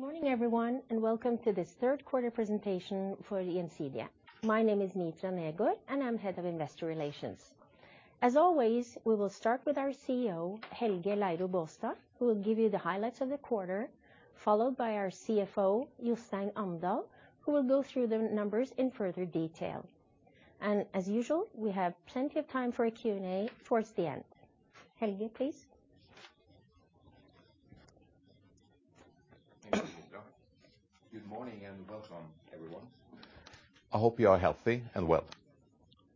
Good morning, everyone, and welcome to this third quarter presentation for Gjensidige. My name is Mitra Negård, and I'm head of investor relations. As always, we will start with our CEO, Helge Leiro Baastad, who will give you the highlights of the quarter, followed by our CFO, Jostein Amdal, who will go through the numbers in further detail. As usual, we have plenty of time for a Q&A towards the end. Helge, please. Thank you, Mitra. Good morning and welcome, everyone. I hope you are healthy and well.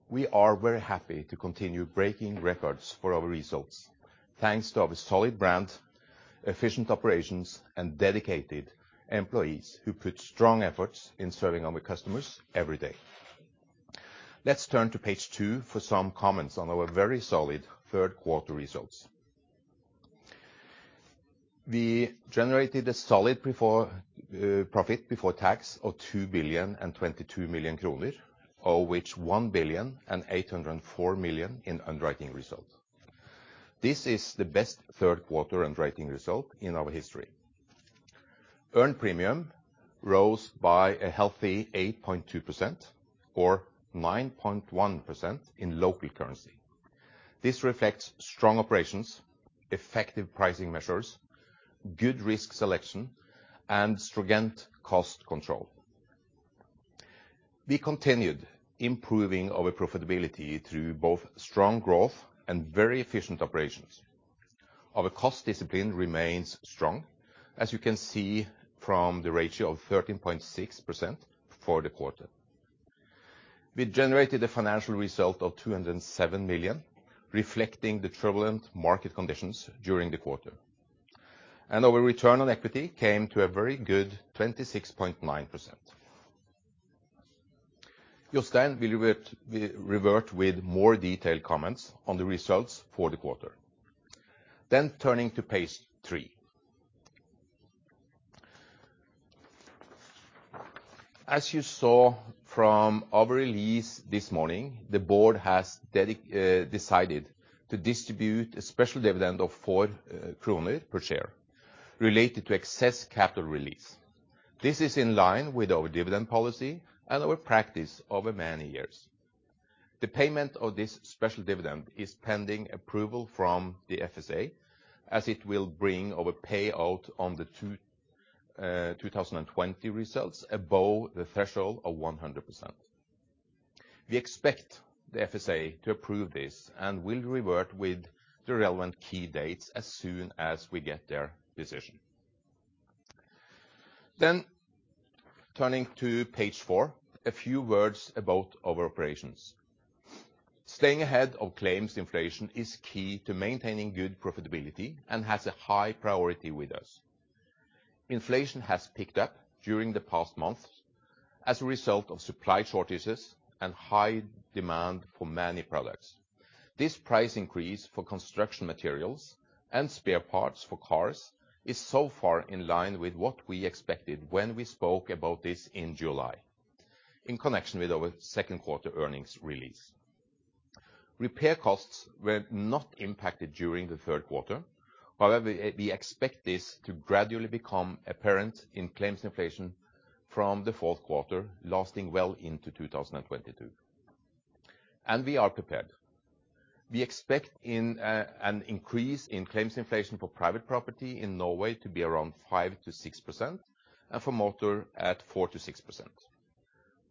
We are very happy to continue breaking records for our results thanks to our solid brand, efficient operations, and dedicated employees who put strong efforts in serving our customers every day. Let's turn to Page 2 for some comments on our very solid third quarter results. We generated a solid profit before tax of 2,022,000,000 kroner, of which 1,804,000,000 in underwriting result. This is the best third quarter underwriting result in our history. Earned premium rose by a healthy 8.2%, or 9.1% in local currency. This reflects strong operations, effective pricing measures, good risk selection, and stringent cost control. We continued improving our profitability through both strong growth and very efficient operations. Our cost discipline remains strong, as you can see from the ratio of 13.6% for the quarter. We generated a financial result of 207 million, reflecting the turbulent market conditions during the quarter. Our return on equity came to a very good 26.9%. Jostein will revert with more detailed comments on the results for the quarter. Turning to Page 3. As you saw from our release this morning, the board has decided to distribute a special dividend of 4 kroner per share related to excess capital release. This is in line with our dividend policy and our practice over many years. The payment of this special dividend is pending approval from the FSA, as it will bring our payout on the 2020 results above the threshold of 100%. We expect the FSA to approve this and will revert with the relevant key dates as soon as we get their decision. Turning to Page 4, a few words about our operations. Staying ahead of claims inflation is key to maintaining good profitability and has a high priority with us. Inflation has picked up during the past months as a result of supply shortages and high demand for many products. This price increase for construction materials and spare parts for cars is so far in line with what we expected when we spoke about this in July, in connection with our second quarter earnings release. Repair costs were not impacted during the third quarter. However, we expect this to gradually become apparent in claims inflation from the fourth quarter, lasting well into 2022. We are prepared. We expect an increase in claims inflation for private property in Norway to be around 5%-6%, and for motor at 4%-6%,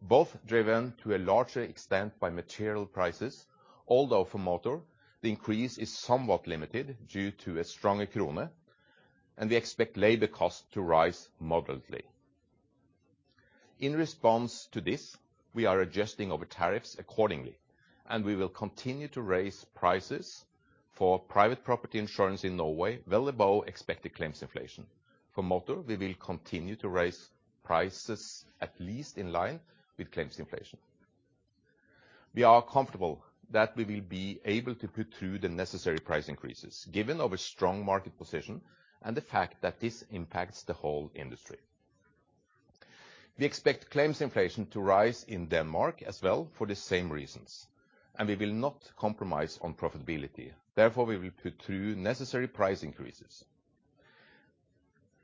both driven to a larger extent by material prices, although for motor, the increase is somewhat limited due to a stronger krone, and we expect labor cost to rise moderately. In response to this, we are adjusting our tariffs accordingly. We will continue to raise prices for private property insurance in Norway well above expected claims inflation. For motor, we will continue to raise prices at least in line with claims inflation. We are comfortable that we will be able to put through the necessary price increases given our strong market position and the fact that this impacts the whole industry. We expect claims inflation to rise in Denmark as well for the same reasons. We will not compromise on profitability. Therefore, we will put through necessary price increases.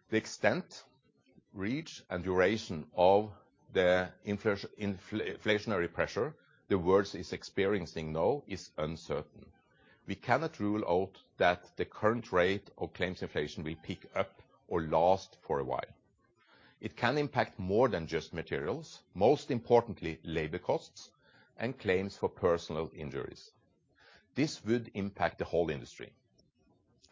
The extent, reach, and duration of the inflationary pressure the world is experiencing now is uncertain. We cannot rule out that the current rate of claims inflation will pick up or last for a while. It can impact more than just materials, most importantly, labor costs and claims for personal injuries. This would impact the whole industry.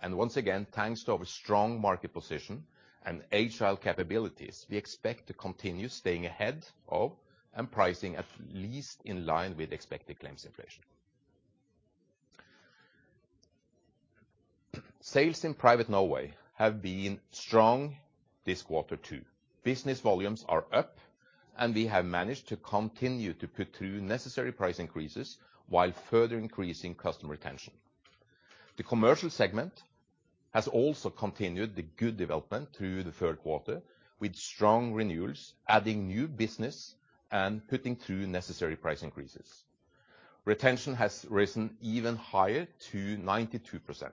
Once again, thanks to our strong market position and agile capabilities, we expect to continue staying ahead of and pricing at least in line with expected claims inflation. Sales in private Norway have been strong this quarter, too. Business volumes are up, and we have managed to continue to put through necessary price increases while further increasing customer retention. The commercial segment has also continued the good development through the third quarter, with strong renewals, adding new business, and putting through necessary price increases. Retention has risen even higher to 92%.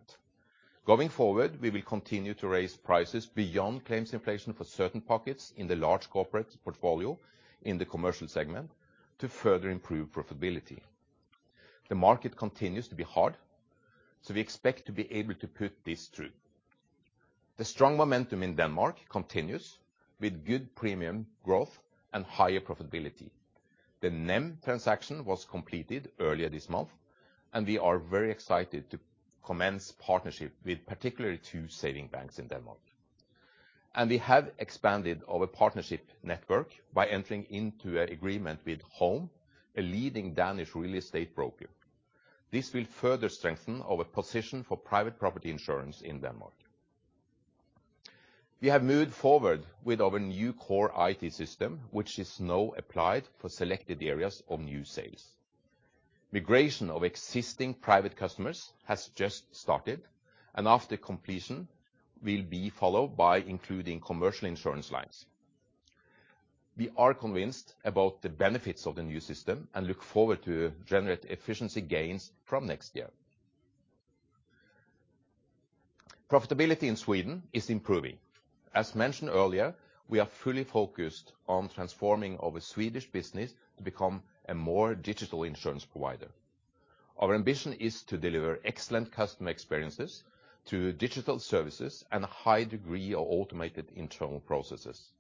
Going forward, we will continue to raise prices beyond claims inflation for certain pockets in the large corporate portfolio in the commercial segment to further improve profitability. The market continues to be hard, so we expect to be able to put this through. The strong momentum in Denmark continues with good premium growth and higher profitability. The Nem transaction was completed earlier this month, and we are very excited to commence partnership with particularly two saving banks in Denmark. We have expanded our partnership network by entering into an agreement with Home, a leading Danish real estate broker. This will further strengthen our position for private property insurance in Denmark. We have moved forward with our new core IT system, which is now applied for selected areas of new sales. Migration of existing private customers has just started, and after completion, will be followed by including commercial insurance lines. We are convinced about the benefits of the new system and look forward to generate efficiency gains from next year. Profitability in Sweden is improving. As mentioned earlier, we are fully focused on transforming our Swedish business to become a more digital insurance provider. Our ambition is to deliver excellent customer experiences through digital services and a high degree of automated internal processes.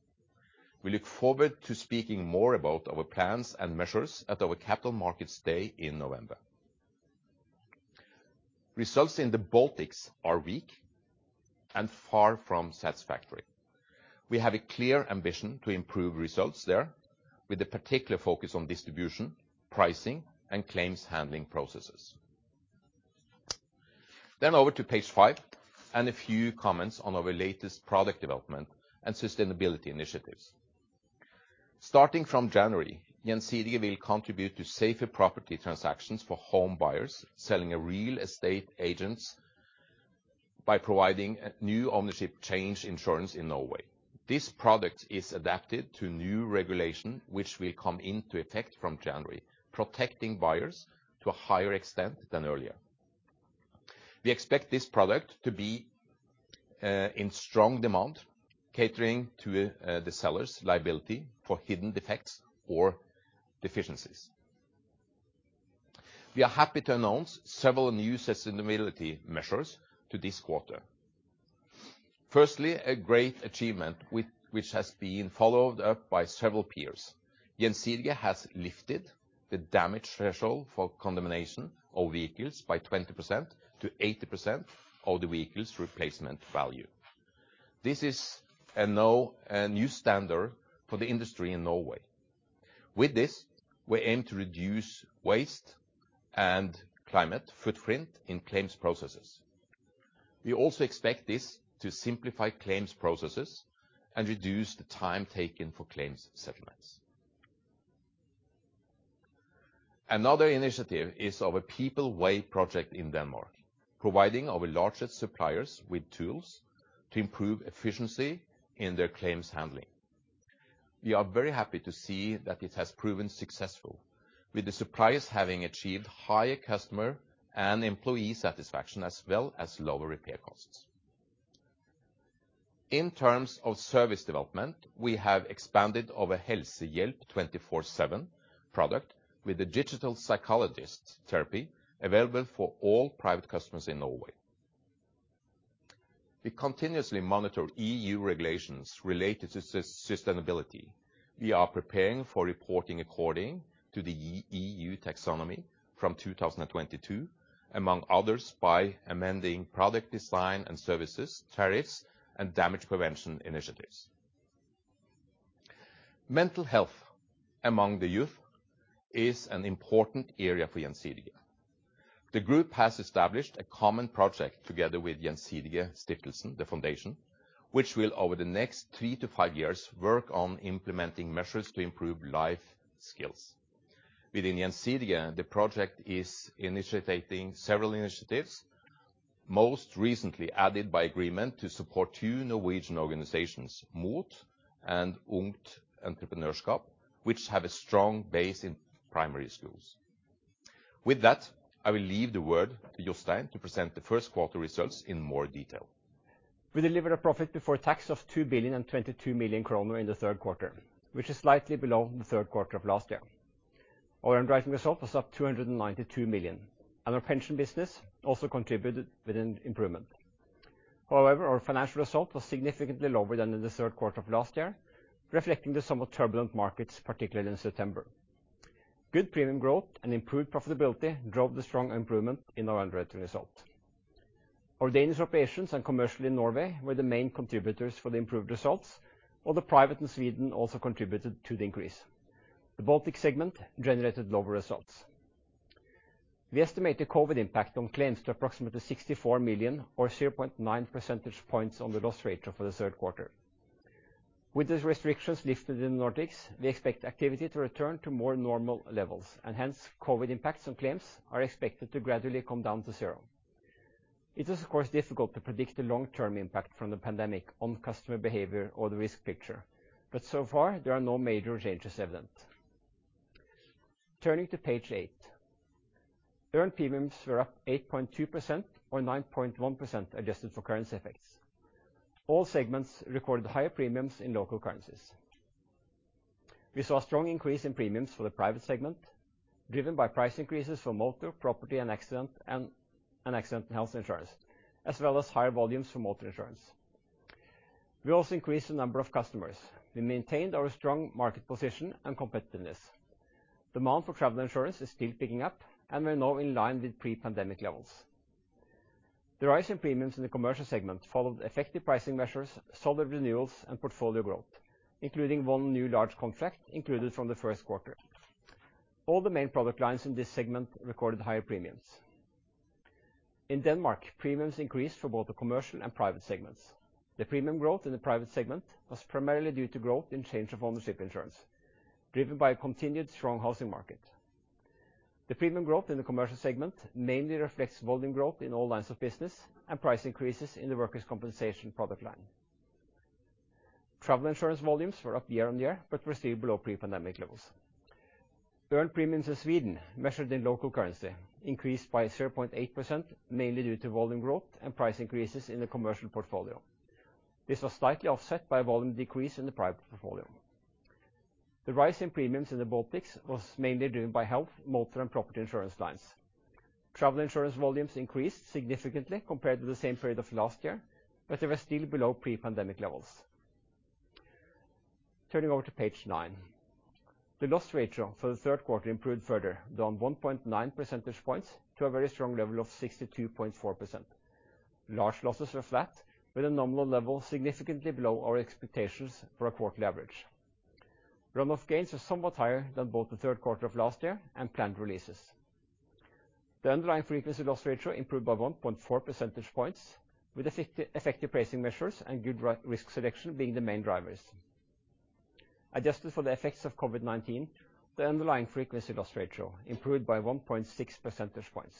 We look forward to speaking more about our plans and measures at our Capital Markets Day in November. Results in the Baltics are weak and far from satisfactory. We have a clear ambition to improve results there with a particular focus on distribution, pricing, and claims handling processes. Over to Page 5 and a few comments on our latest product development and sustainability initiatives. Starting from January, Gjensidige will contribute to safer property transactions for home buyers selling a real estate agents by providing new ownership change insurance in Norway. This product is adapted to new regulation, which will come into effect from January, protecting buyers to a higher extent than earlier. We expect this product to be in strong demand, catering to the seller's liability for hidden defects or deficiencies. We are happy to announce several new sustainability measures to this quarter. Firstly, a great achievement, which has been followed up by several peers. Gjensidige has lifted the damage threshold for condemnation of vehicles by 20% to 80% of the vehicle's replacement value. This is a new standard for the industry in Norway. With this, we aim to reduce waste and climate footprint in claims processes. We also expect this to simplify claims processes and reduce the time taken for claims settlements. Another initiative is our People Way project in Denmark, providing our largest suppliers with tools to improve efficiency in their claims handling. We are very happy to see that it has proven successful, with the suppliers having achieved higher customer and employee satisfaction, as well as lower repair costs. In terms of service development, we have expanded our Helsehjelp 24/7 product with a digital psychologist therapy available for all private customers in Norway. We continuously monitor EU regulations related to sustainability. We are preparing for reporting according to the EU taxonomy from 2022, among others, by amending product design and services, tariffs, and damage prevention initiatives. Mental health among the youth is an important area for Gjensidige. The Group has established a common project together with Gjensidigestiftelsen, the foundation, which will, over the next three to five years, work on implementing measures to improve life skills. Within Gjensidige, the project is initiating several initiatives, most recently added by agreement to support two Norwegian organizations, MOT and Ungt Entreprenørskap, which have a strong base in primary schools. With that, I will leave the word to Jostein to present the first quarter results in more detail. We delivered a profit before tax of 2,022,000,000 kroner in the third quarter, which is slightly below the third quarter of last year. Our underwriting result was up 292 million, and our pension business also contributed with an improvement. However, our financial result was significantly lower than in the third quarter of last year, reflecting the somewhat turbulent markets, particularly in September. Good premium growth and improved profitability drove the strong improvement in our underwriting result. Our Danish operations and Commercial in Norway were the main contributors for the improved results, while the Private in Sweden also contributed to the increase. The Baltic segment generated lower results. We estimate the COVID impact on claims to approximately 64 million or 0.9 percentage points on the loss ratio for the third quarter. With these restrictions lifted in the Nordics, we expect activity to return to more normal levels and hence, COVID impacts on claims are expected to gradually come down to zero. It is of course difficult to predict the long-term impact from the pandemic on customer behavior or the risk picture, but so far, there are no major changes evident. Turning to Page 8. Earned premiums were up 8.2% or 9.1% adjusted for currency effects. All segments recorded higher premiums in local currencies. We saw a strong increase in premiums for the private segment, driven by price increases for motor, property, and accident and health insurance, as well as higher volumes for motor insurance. We also increased the number of customers. We maintained our strong market position and competitiveness. Demand for travel insurance is still picking up, and we're now in line with pre-pandemic levels. The rise in premiums in the commercial segment followed effective pricing measures, solid renewals, and portfolio growth, including one new large contract included from the first quarter. All the main product lines in this segment recorded higher premiums. In Denmark, premiums increased for both the commercial and private segments. The premium growth in the private segment was primarily due to growth in change of ownership insurance, driven by a continued strong housing market. The premium growth in the commercial segment mainly reflects volume growth in all lines of business and price increases in the workers' compensation product line. Travel insurance volumes were up year-over-year but were still below pre-pandemic levels. Earned premiums in Sweden, measured in local currency, increased by 0.8%, mainly due to volume growth and price increases in the commercial portfolio. This was slightly offset by a volume decrease in the private portfolio. The rise in premiums in the Baltics was mainly driven by health, motor, and property insurance lines. Travel insurance volumes increased significantly compared to the same period of last year, but they were still below pre-pandemic levels. Turning over to Page 9. The loss ratio for the third quarter improved further, down 1.9 percentage points to a very strong level of 62.4%. Large losses were flat, with a nominal level significantly below our expectations for a quarterly average. Run-off gains were somewhat higher than both the third quarter of last year and planned releases. The Underlying frequency loss ratio improved by 1.4 percentage points, with effective pricing measures and good risk selection being the main drivers. Adjusted for the effects of COVID-19, the Underlying frequency loss ratio improved by 1.6 percentage points.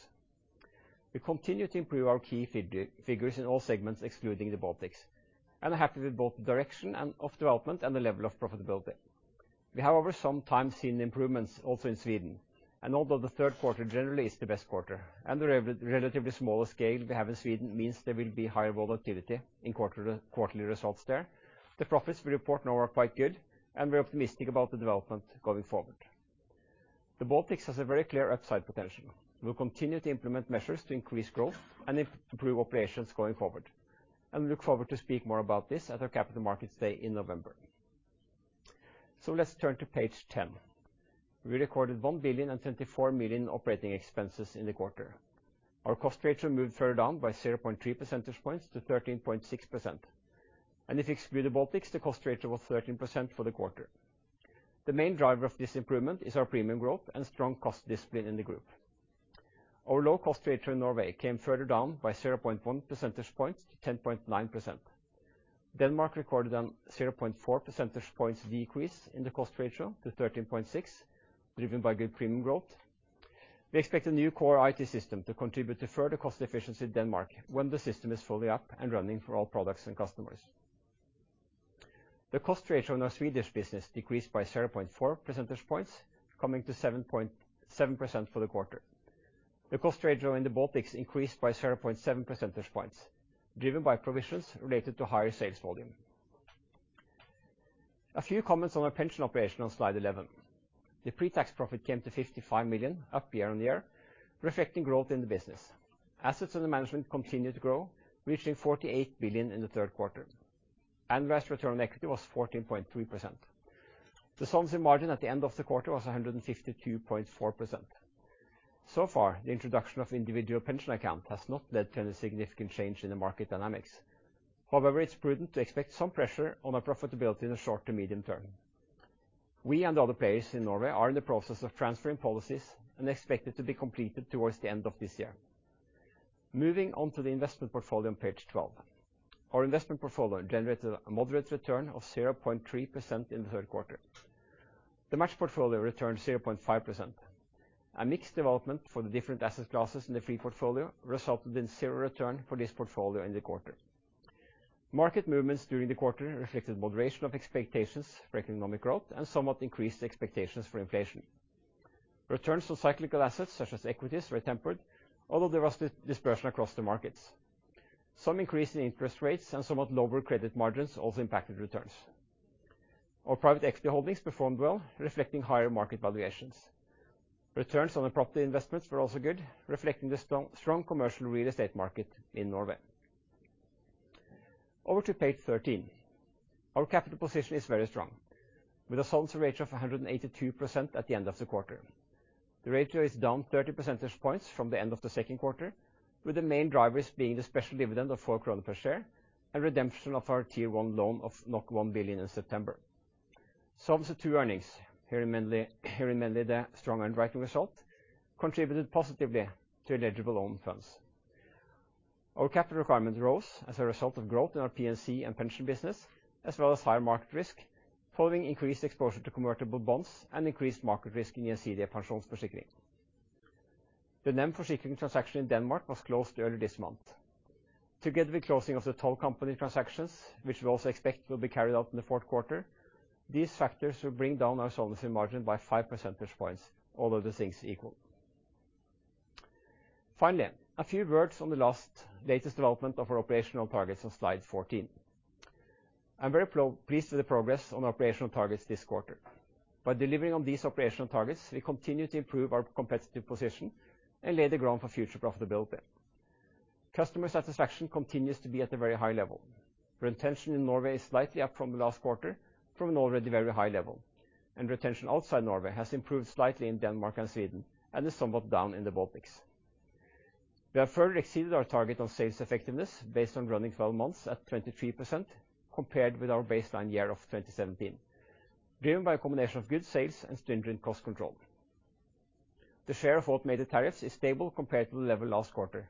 We continue to improve our key figures in all segments excluding the Baltics and are happy with both the direction of development and the level of profitability. We have over some time seen improvements also in Sweden, and although the third quarter generally is the best quarter and the relatively smaller scale we have in Sweden means there will be higher volatility in quarterly results there, the profits we report now are quite good, and we're optimistic about the development going forward. The Baltics has a very clear upside potential. We'll continue to implement measures to increase growth and improve operations going forward. We look forward to speak more about this at our Capital Markets Day in November. Let's turn to Page 10. We recorded 1,024,000,000 operating expenses in the quarter. Our cost ratio moved further down by 0.3 percentage points to 13.6%. If you exclude the Baltics, the cost ratio was 13% for the quarter. The main driver of this improvement is our premium growth and strong cost discipline in the group. Our low cost ratio in Norway came further down by 0.1 percentage points to 10.9%. Denmark recorded a 0.4 percentage points decrease in the cost ratio to 13.6%, driven by good premium growth. We expect the new core IT system to contribute to further cost efficiency in Denmark when the system is fully up and running for all products and customers. The cost ratio in our Swedish business decreased by 0.4 percentage points, coming to 7% for the quarter. The cost ratio in the Baltics increased by 0.7 percentage points, driven by provisions related to higher sales volume. A few comments on our pension operation on Slide 11. The pre-tax profit came to 55 million, up year-on-year, reflecting growth in the business. Assets under management continued to grow, reaching 48 billion in the third quarter. Annualized return on equity was 14.3%. The solvency margin at the end of the quarter was 152.4%. So far, the introduction of individual pension account has not led to any significant change in the market dynamics. However, it's prudent to expect some pressure on our profitability in the short to medium term. We and the other players in Norway are in the process of transferring policies and expect it to be completed towards the end of this year. Moving on to the investment portfolio on Page 12. Our investment portfolio generated a moderate return of 0.3% in the third quarter. The matched portfolio returned 0.5%. A mixed development for the different asset classes in the fee portfolio resulted in zero return for this portfolio in the quarter. Market movements during the quarter reflected moderation of expectations for economic growth and somewhat increased expectations for inflation. Returns on cyclical assets such as equities were tempered, although there was dispersion across the markets. Some increase in interest rates and somewhat lower credit margins also impacted returns. Our private equity holdings performed well, reflecting higher market valuations. Returns on the property investments were also good, reflecting the strong commercial real estate market in Norway. Over to Page 13. Our capital position is very strong, with a solvency ratio of 182% at the end of the quarter. The ratio is down 30 percentage points from the end of the second quarter, with the main drivers being the special dividend of 4 kroner per share and redemption of our Tier 1 loan of 1 billion in September. Solvency II earnings, mainly the strong underwriting result, contributed positively to eligible own funds. Our capital requirement rose as a result of growth in our P&C and pension business, as well as higher market risk, following increased exposure to convertible bonds and increased market risk in Gjensidige Forsikring. The Nem Forsikring transaction in Denmark was closed earlier this month. Together with closing of the 12 company transactions, which we also expect will be carried out in the fourth quarter, these factors will bring down our solvency margin by 5 percentage points, all other things equal. Finally, a few words on the latest development of our operational targets on Slide 14. I'm very pleased with the progress on operational targets this quarter. By delivering on these operational targets, we continue to improve our competitive position and lay the ground for future profitability. Customer satisfaction continues to be at a very high level. Retention in Norway is slightly up from last quarter from an already very high level, and retention outside Norway has improved slightly in Denmark and Sweden and is somewhat down in the Baltics. We have further exceeded our target on sales effectiveness based on running 12 months at 23%, compared with our baseline year of 2017, driven by a combination of good sales and stringent cost control. The share of automated tariffs is stable compared to the level last quarter,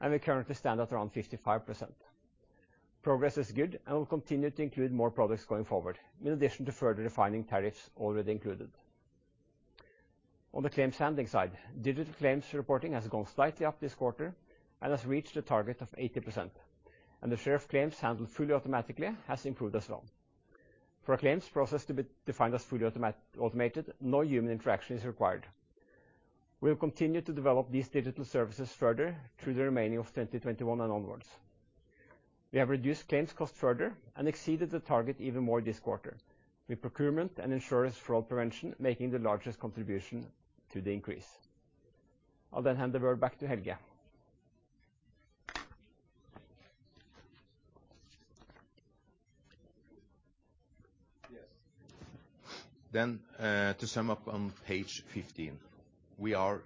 and we currently stand at around 55%. Progress is good and will continue to include more products going forward, in addition to further refining tariffs already included. On the claims handling side, digital claims reporting has gone slightly up this quarter and has reached a target of 80%, and the share of claims handled fully automatically has improved as well. For a claims process to be defined as fully automated, no human interaction is required. We have continued to develop these digital services further through the remainder of 2021 and onwards. We have reduced claims cost further and exceeded the target even more this quarter, with procurement and insurance fraud prevention making the largest contribution to the increase. I'll then hand over back to Helge. Yes. To sum up on Page 15. We are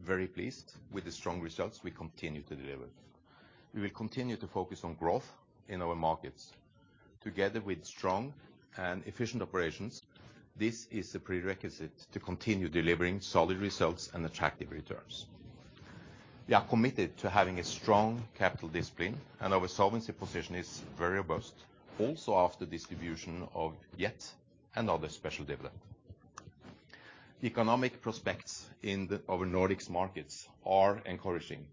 very pleased with the strong results we continue to deliver. We will continue to focus on growth in our markets. Together with strong and efficient operations, this is a prerequisite to continue delivering solid results and attractive returns. We are committed to having a strong capital discipline, and our solvency position is very robust, also after distribution of yet another special dividend. Economic prospects in our Nordic markets are encouraging,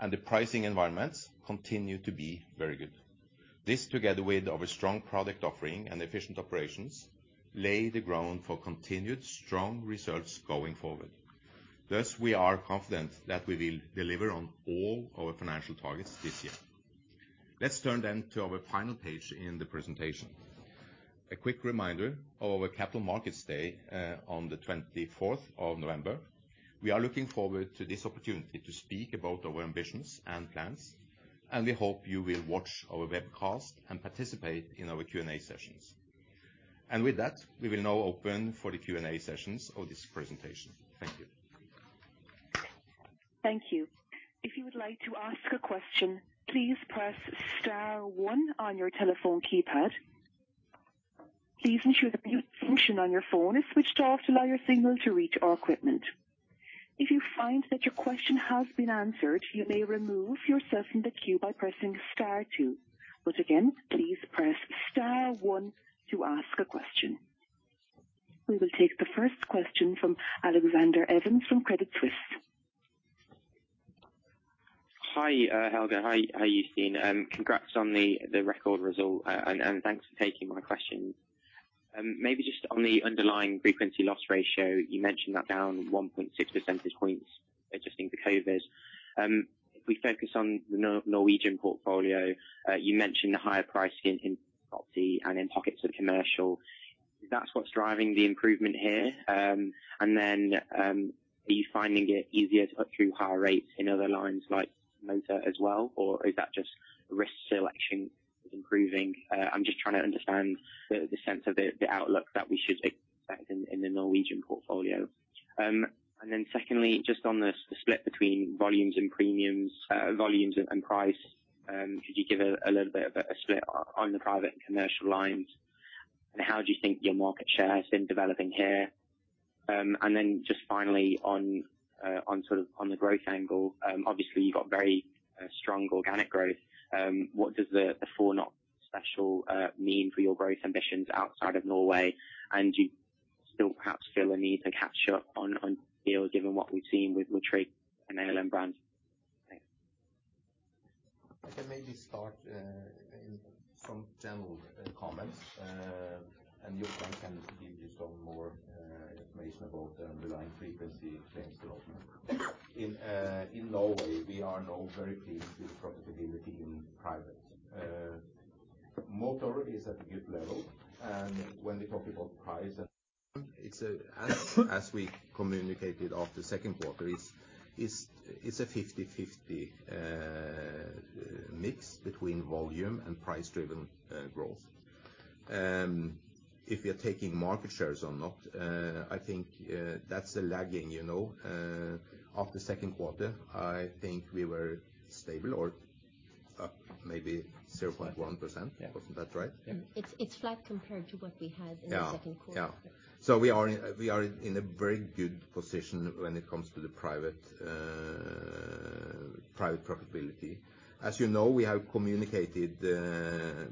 and the pricing environments continue to be very good. This, together with our strong product offering and efficient operations, lay the ground for continued strong results going forward. We are confident that we will deliver on all our financial targets this year. Let's turn to our final page in the presentation. A quick reminder of our Capital Markets Day on the 24th of November. We are looking forward to this opportunity to speak about our ambitions and plans, and we hope you will watch our webcast and participate in our Q&A sessions. With that, we will now open for the Q&A sessions of this presentation. Thank you. Thank you. If you would like to ask a question, please press star one on your telephone keypad. Please ensure the mute function on your phone is switched off to allow your signal to reach our equipment. If you find that your question has been answered, you may remove yourself from the queue by pressing star two. Once again, please press star one to ask a question. We will take the first question from Alexander Evans from Credit Suisse. Hi, Helge. Hi, Jostein. Congrats on the record result, and thanks for taking my question. Maybe just on the underlying frequency loss ratio, you mentioned that down 1.6 percentage points, adjusting for COVID. If we focus on the Norwegian portfolio, you mentioned the higher pricing in property and in pockets of commercial. Is that what's driving the improvement here? Are you finding it easier to put through higher rates in other lines like motor as well, or is that just risk selection improving? I'm just trying to understand the sense of the outlook that we should expect in the Norwegian portfolio. Secondly, just on the split between volumes and price, could you give a little bit of a split on the private and commercial lines, and how do you think your market share has been developing here? Just finally, on the growth angle, obviously you've got very strong organic growth. What does the four knot special mean for your growth ambitions outside of Norway? Do you still perhaps feel a need to catch up on deals given what we've seen with Tryg and Alm. Brand? Thanks. I can maybe start from general comments, and Jostein can give you some more information about the underlying frequency claims development. In Norway, we are now very pleased with profitability in private. Motor is at a good level, and when we talk about price and it's, as we communicated after second quarter, it's a 50/50 mix between volume and price-driven growth. If we are taking market shares or not, I think that's lagging. After second quarter, I think we were stable or up maybe 0.1%. Wasn't that right? Yeah. It's flat compared to what we had in the second quarter. Yeah. We are in a very good position when it comes to the private profitability. As you know, we have communicated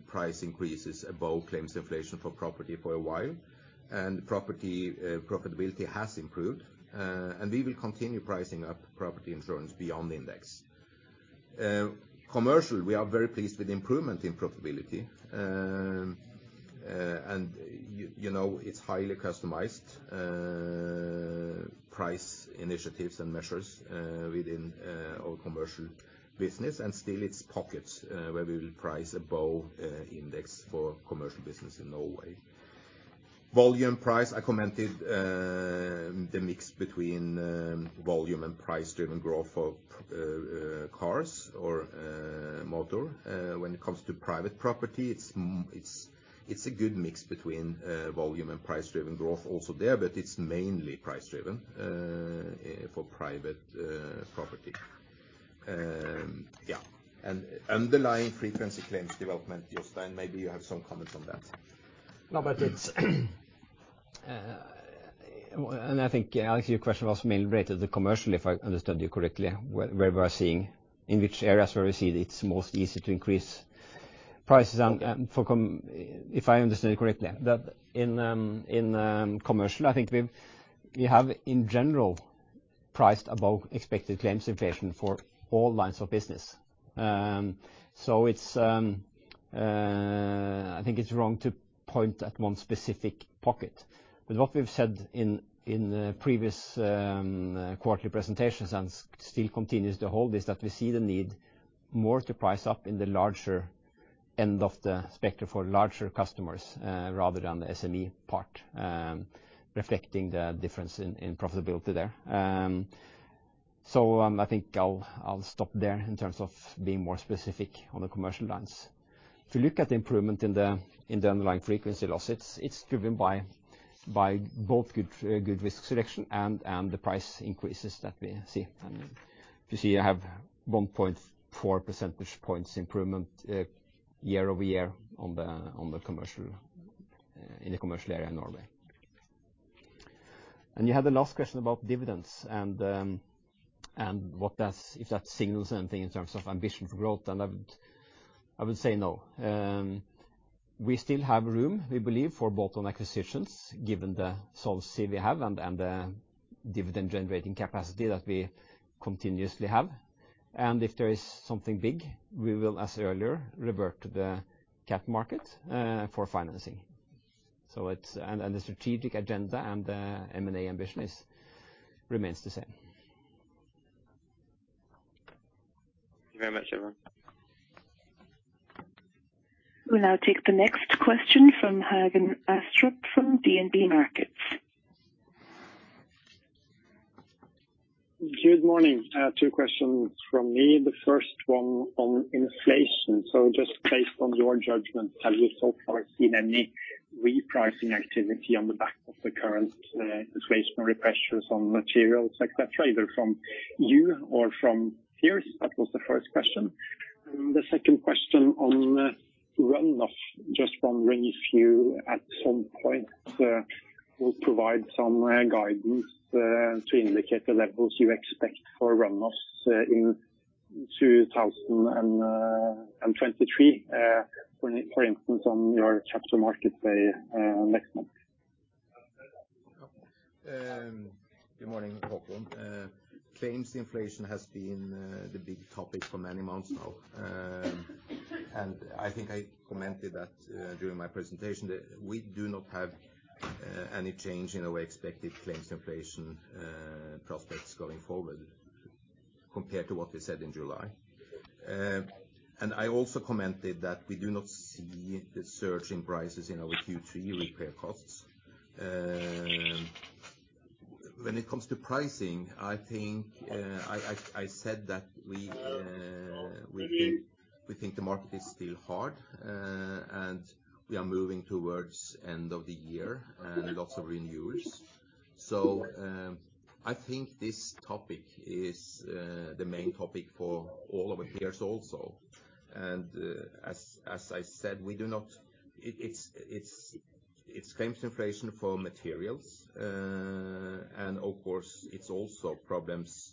price increases above claims inflation for property for a while, and property profitability has improved, and we will continue pricing up property insurance beyond index. Commercial, we are very pleased with the improvement in profitability. It's highly customized price initiatives and measures within our commercial business, and still it's pockets where we will price above index for commercial business in Norway. Volume, price, I commented the mix between volume and price driven growth of cars or motor. When it comes to private property, it's a good mix between volume and price driven growth also there, but it's mainly price driven for private property. Yeah. Underlying frequency claims development, Jostein, maybe you have some comments on that. No, but it's and I think, Alex, your question was mainly related to commercial, if I understood you correctly, where we're seeing, in which areas where we see that it's most easy to increase prices. If I understand it correctly, that in commercial, I think we have, in general, priced above expected claims inflation for all lines of business. I think it's wrong to point at one specific pocket. What we've said in previous quarterly presentations and still continues to hold is that we see the need more to price up in the larger end of the spectrum for larger customers, rather than the SME part, reflecting the difference in profitability there. I think I'll stop there in terms of being more specific on the commercial lines. If you look at the improvement in the underlying frequency loss, it's driven by both good risk selection and the price increases that we see. You see I have 1.4 percentage points improvement year-over-year in the commercial area in Norway. You had the last question about dividends and if that signals anything in terms of ambition for growth, and I would say no. We still have room, we believe, for bolt-on acquisitions, given the solvency we have and the dividend generating capacity that we continuously have. If there is something big, we will, as earlier, revert to the cap market for financing. The strategic agenda and the M&A ambition remains the same. Thank you very much, everyone. We'll now take the next question from Håkon Astrup from DNB Markets. Good morning. Two questions from me. The first one on inflation. Just based on your judgment, have you so far seen any repricing activity on the back of the current inflationary pressures on materials, et cetera, either from you or from peers? That was the first question. The second question on run-off. Just wondering if you, at some point, will provide some guidance to indicate the levels you expect for run-offs in 2023, for instance, on your Capital Markets Day next month. Good morning, Håkon. Claims inflation has been the big topic for many months now. I think I commented that during my presentation, that we do not have any change in our expected claims inflation prospects going forward compared to what we said in July. I also commented that we do not see the surge in prices in our Q3 repair costs. When it comes to pricing, I said that we think the market is still hard, and we are moving towards end of the year and lots of renewals. I think this topic is the main topic for all of our peers also. As I said, it's claims inflation for materials. Of course, it's also problems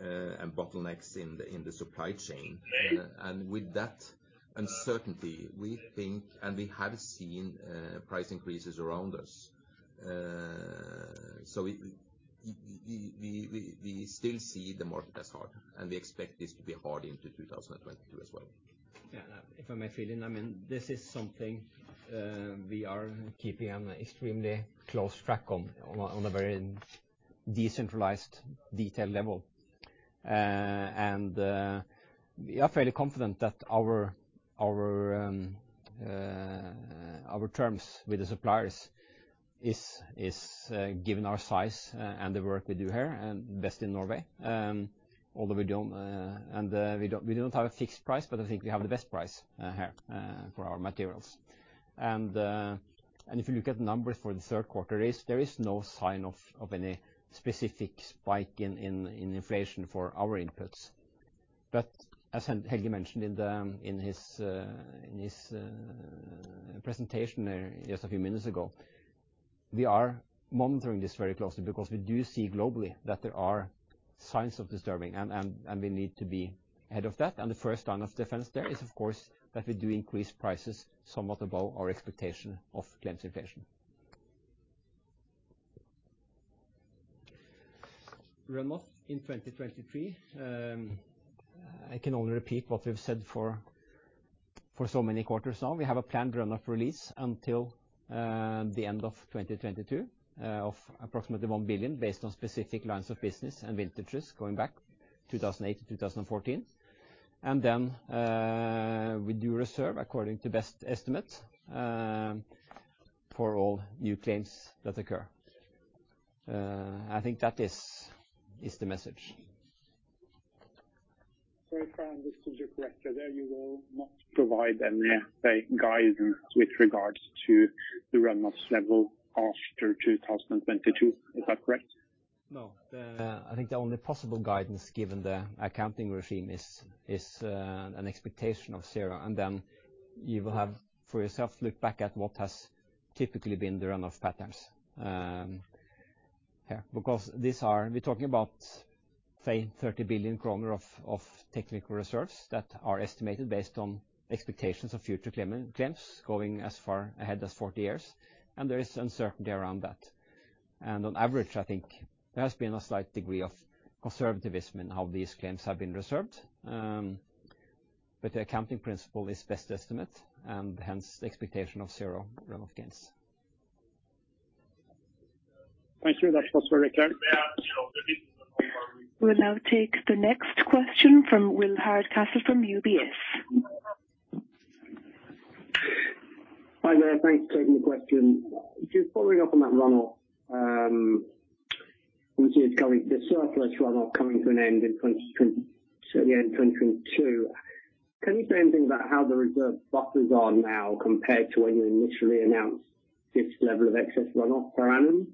and bottlenecks in the supply chain. With that uncertainty, we think, and we have seen price increases around us. We still see the market as hard, and we expect this to be hard into 2022 as well. Yeah. If I may fill in, this is something we are keeping an extremely close track on a very decentralized, detailed level. We are fairly confident that our terms with the suppliers is given our size and the work we do here, best in Norway. Although we do not have a fixed price. I think we have the best price here for our materials. If you look at the numbers for the third quarter, there is no sign of any specific spike in inflation for our inputs. As Helge mentioned in his presentation there just a few minutes ago. We are monitoring this very closely because we do see globally that there are signs of disturbing, and we need to be ahead of that. The first line of defense there is, of course, that we do increase prices somewhat above our expectation of claims inflation. Run-off in 2023, I can only repeat what we've said for so many quarters now. We have a planned run-off release until the end of 2022 of approximately 1 billion, based on specific lines of business and vintages going back 2008 to 2014. We do reserve according to best estimate for all new claims that occur. I think that is the message. Sorry, if I understand you correctly there, you will not provide any, say, guidance with regards to the run-off level after 2022. Is that correct? No. I think the only possible guidance given the accounting regime is an expectation of zero, and then you will have for yourself look back at what has typically been the run-off patterns. We're talking about, say, 30 billion kroner of technical reserves that are estimated based on expectations of future claims going as far ahead as 40 years, and there is uncertainty around that. On average, I think there has been a slight degree of conservativism in how these claims have been reserved. The accounting principle is best estimate, and hence the expectation of zero run-off gains. Thank you. That was very clear. We'll now take the next question from Will Hardcastle from UBS. Hi there. Thanks for taking the question. Just following up on that run-off. We see it's coming, the surplus run-off coming to an end in 2022. Can you say anything about how the reserve buffers are now compared to when you initially announced this level of excess run-off per annum?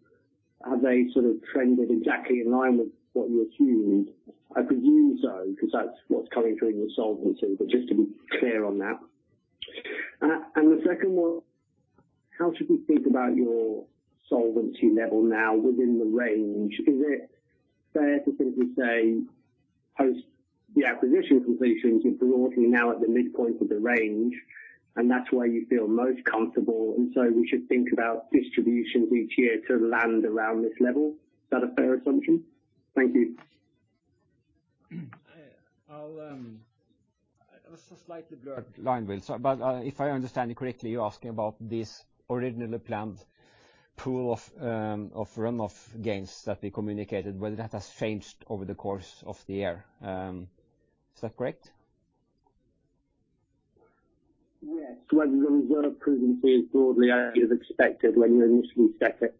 Have they sort of trended exactly in line with what you assumed? I presume so, because that's what's coming through in the solvency, but just to be clear on that. The second one, how should we think about your solvency level now within the range? Is it fair to simply say post the acquisition completions, you're broadly now at the midpoint of the range, and that's where you feel most comfortable, and so we should think about distributions each year to land around this level? Is that a fair assumption? Thank you. I was just slightly blurred, line blurred. If I understand you correctly, you're asking about this originally planned pool of run-off gains that we communicated, whether that has changed over the course of the year. Is that correct? Yes. Whether the reserve proven to be as broadly as expected when you initially set it?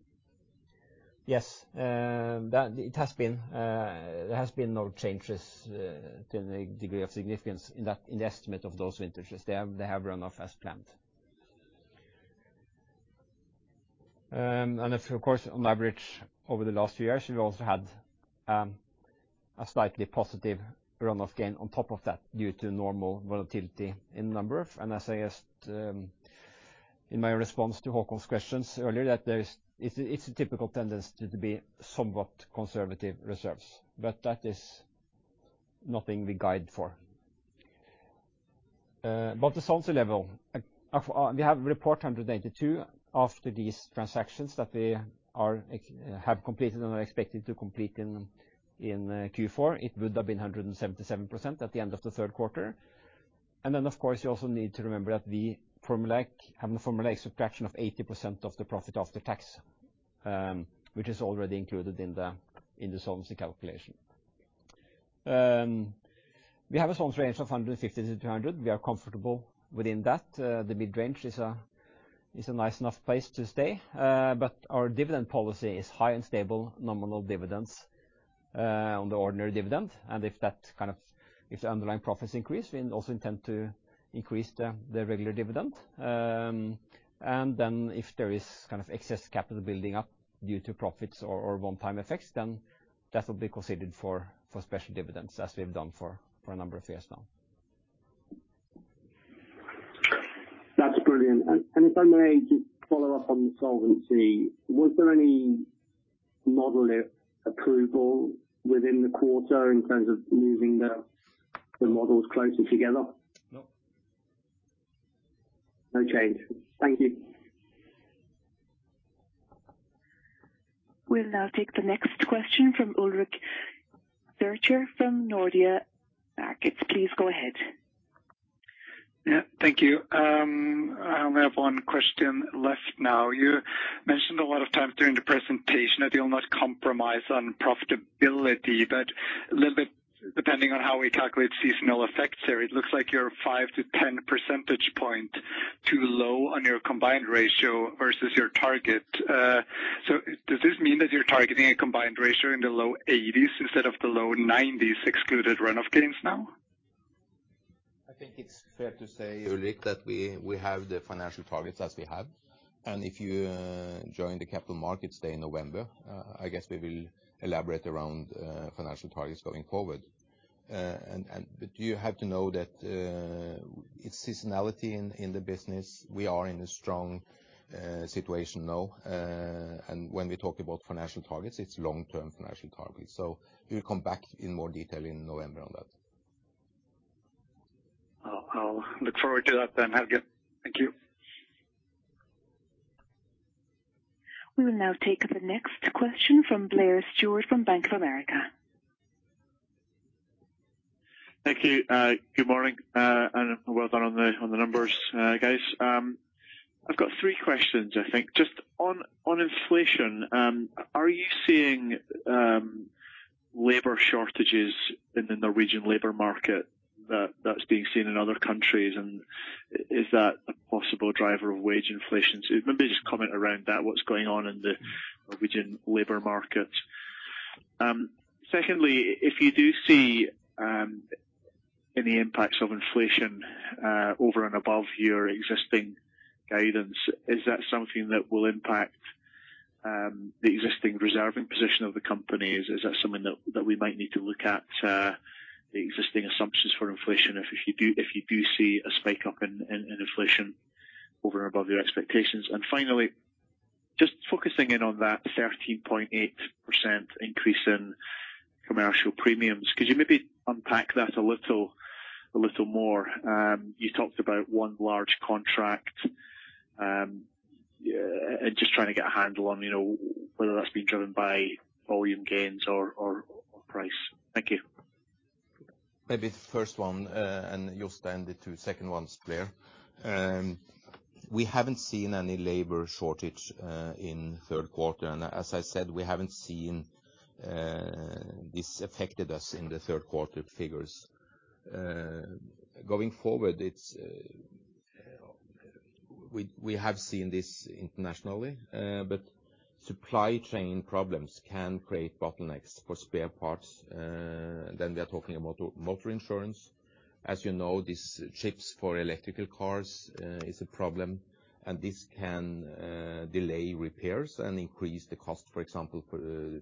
Yes. There has been no changes to any degree of significance in the estimate of those vintages. They have run off as planned. Of course, on average over the last few years, we've also had a slightly positive run-off gain on top of that due to normal volatility in number. As I guessed in my response to Håkon's questions earlier, that it's a typical tendency to be somewhat conservative reserves, but that is nothing we guide for. About the solvency level, we have report 182% after these transactions that we have completed and are expecting to complete in Q4. It would have been 177% at the end of the third quarter. Of course, you also need to remember that we have the formulaic subtraction of 80% of the profit after tax, which is already included in the solvency calculation. We have a solvency range of 150%-300%. We are comfortable within that. The mid-range is a nice enough place to stay. Our dividend policy is high and stable nominal dividends on the ordinary dividend. If the underlying profits increase, we also intend to increase the regular dividend. If there is excess capital building up due to profits or one-time effects, then that will be considered for special dividends as we've done for a number of years now. That's brilliant. If I may just follow up on the solvency. Was there any modeling approval within the quarter in terms of moving the models closer together? No. No change. Thank you. We'll now take the next question from Ulrik Zürcher from Nordea Markets. Please go ahead. Yeah, thank you. I only have one question left now. You mentioned a lot of times during the presentation that you'll not compromise on profitability, but a little bit depending on how we calculate seasonal effects there, it looks like you're 5-10 percentage point too low on your combined ratio versus your target. Does this mean that you're targeting a combined ratio in the low 80s instead of the low 90s excluded run-off gains now? I think it's fair to say, Ulrik, that we have the financial targets as we have. If you join the Capital Markets Day in November, I guess we will elaborate around financial targets going forward. You have to know that it's seasonality in the business. We are in a strong situation now. When we talk about financial targets, it's long-term financial targets. We'll come back in more detail in November on that. I'll look forward to that then, Helge. Thank you. We will now take the next question from Blair Stewart from Bank of America. Thank you. Good morning. Well done on the numbers, guys. I've got three questions, I think. Just on inflation, are you seeing labor shortages in the Norwegian labor market that's being seen in other countries? Is that a possible driver of wage inflation? Maybe just comment around that, what's going on in the Norwegian labor market. Secondly, if you do see any impacts of inflation over and above your existing guidance, is that something that will impact the existing reserving position of the company? Is that something that we might need to look at the existing assumptions for inflation, if you do see a spike up in inflation over and above your expectations? Finally, just focusing in on that 13.8% increase in commercial premiums, could you maybe unpack that a little more? You talked about one large contract. Just trying to get a handle on whether that's been driven by volume gains or price. Thank you. Maybe the first one, and Jostein, the two second ones, Blair. We haven't seen any labor shortage in third quarter. As I said, we haven't seen this affected us in the third quarter figures. Going forward, we have seen this internationally. Supply chain problems can create bottlenecks for spare parts. We are talking about motor insurance. As you know, these chips for electrical cars is a problem. This can delay repairs and increase the cost, for example,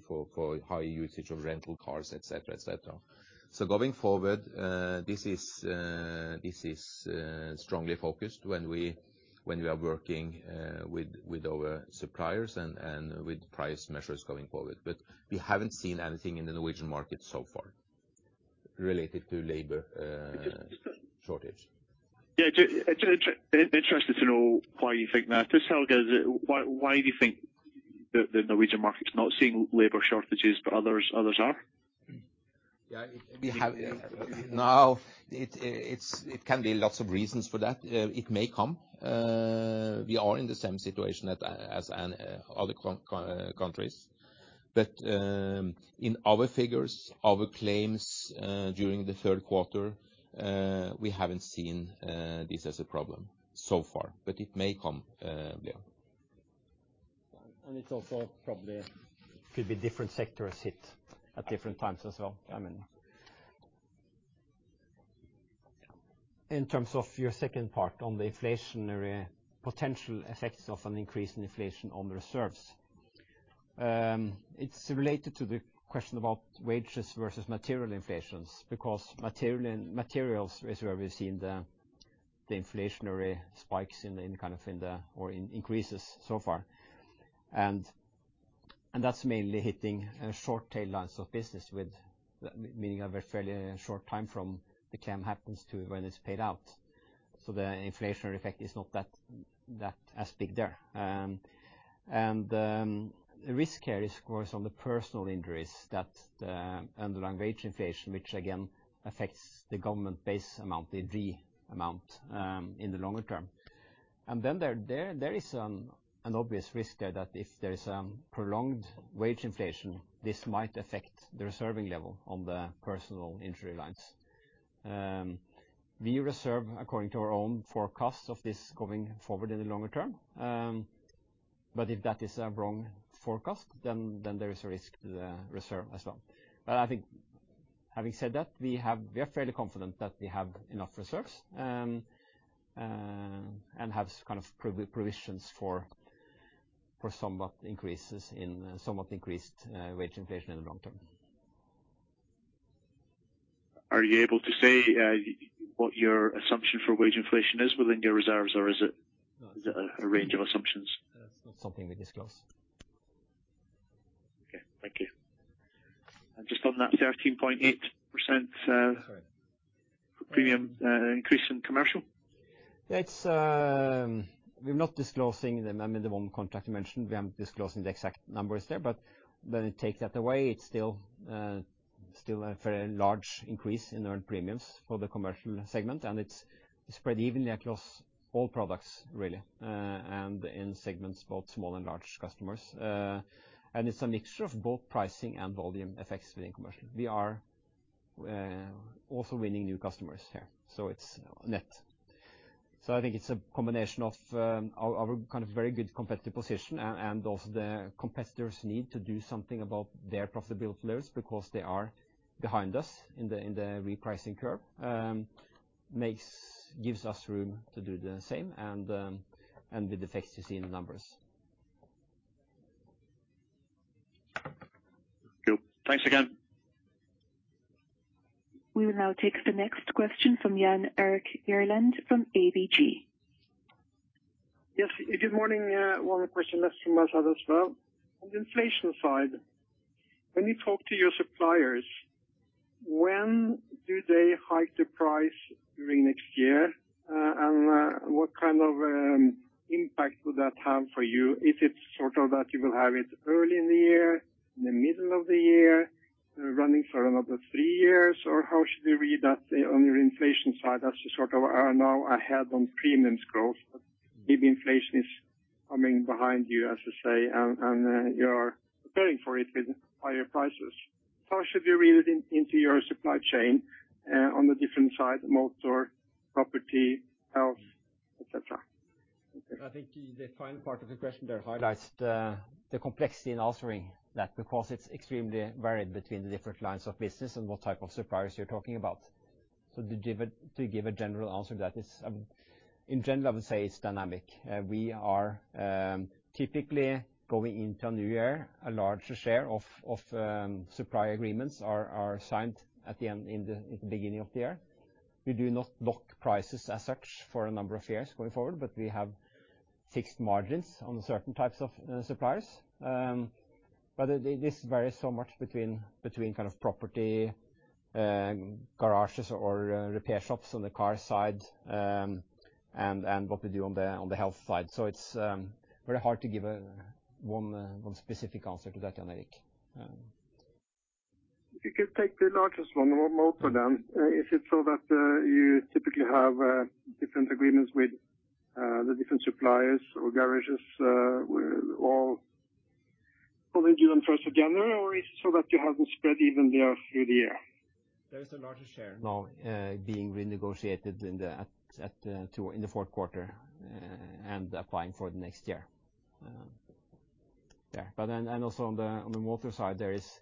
for high usage of rental cars, et cetera. Going forward, this is strongly focused when we are working with our suppliers and with price measures going forward. We haven't seen anything in the Norwegian market so far related to labor shortage. Yeah. Interested to know why you think that is, Helge. Why do you think the Norwegian market is not seeing labor shortages, but others are? It can be lots of reasons for that. It may come. We are in the same situation as other countries. In our figures, our claims during the third quarter, we haven't seen this as a problem so far, but it may come, Blair. It also probably could be different sectors hit at different times as well. In terms of your second part on the inflationary potential effects of an increase in inflation on the reserves. It's related to the question about wages versus material inflations, because materials is where we've seen the inflationary spikes or increases so far. That's mainly hitting short tail lines of business with meaning a very fairly short time from the claim happens to when it's paid out. The inflationary effect is not as big there. The risk here is, of course, on the personal injuries and the wage inflation, which again, affects the government base amount, the amount in the longer term. Then there is an obvious risk there that if there is a prolonged wage inflation, this might affect the reserving level on the personal injury lines. We reserve according to our own forecast of this going forward in the longer term. If that is a wrong forecast, then there is a risk to the reserve as well. I think having said that, we are fairly confident that we have enough reserves and have kind of provisions for somewhat increased wage inflation in the long term. Are you able to say what your assumption for wage inflation is within your reserves, or is it a range of assumptions? That's not something we discuss. Okay. Thank you. Just on that 13.8% premium increase in commercial. We're not disclosing the one contract you mentioned. We aren't disclosing the exact numbers there, but when you take that away, it's still a very large increase in earned premiums for the commercial segment, and it's spread evenly across all products, really, and in segments, both small and large customers. It's a mixture of both pricing and volume effects within commercial. We are also winning new customers here, so it's net. I think it's a combination of our very good competitive position and also the competitors need to do something about their profitability because they are behind us in the repricing curve. This gives us room to do the same, and with effects you see in the numbers. Cool. Thanks again. We will now take the next question from Jan Erik Gjerland from ABG. Yes. Good morning. One question that is from us others as well. On the inflation side, when you talk to your suppliers, when do they hike the price during next year? What kind of impact would that have for you? Is it that you will have it early in the year, in the middle of the year, running for another three years? How should we read that on your inflation side as you sort of are now ahead on premiums growth, but maybe inflation is coming behind you, as you say, and you are preparing for it with higher prices. How should we read it into your supply chain, on the different side, motor, property, health, et cetera? I think the final part of the question there highlights the complexity in answering that because it's extremely varied between the different lines of business and what type of suppliers you're talking about. To give a general answer, in general, I would say it's dynamic. We are typically going into a new year, a larger share of supply agreements are signed at the end, in the beginning of the year. We do not lock prices as such for a number of years going forward, but we have fixed margins on certain types of suppliers. This varies so much between property, garages or repair shops on the car side, and what we do on the health side. It's very hard to give one specific answer to that, Jan Erik. If you could take the largest one or more for them, is it so that you typically have different agreements with the different suppliers or garages with all coming to you on 1st of January or is it so that you have them spread even there through the year? There is a larger share now being renegotiated in the fourth quarter and applying for the next year. Yeah. Also on the motor side, there is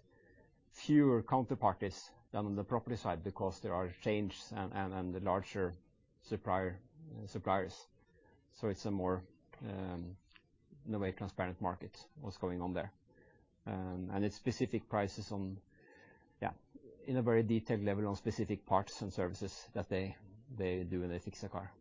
fewer counterparties than on the property side because there are chains and the larger suppliers. It's a more in a way transparent market, what's going on there. It's specific prices on, yeah, in a very detailed level on specific parts and services that they do when they fix a car.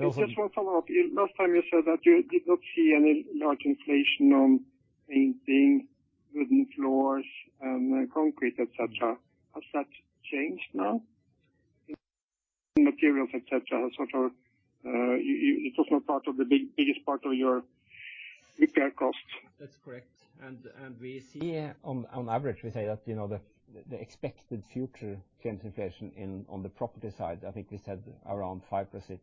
Just one follow-up. Last time you said that you did not see any large inflation on painting, wooden floors and concrete, et cetera. Has that changed now? Materials, et cetera, has sort of, it was not part of the biggest part of your repair cost. That's correct. We see on average, we say that the expected future claims inflation on the property side, I think we said around 5%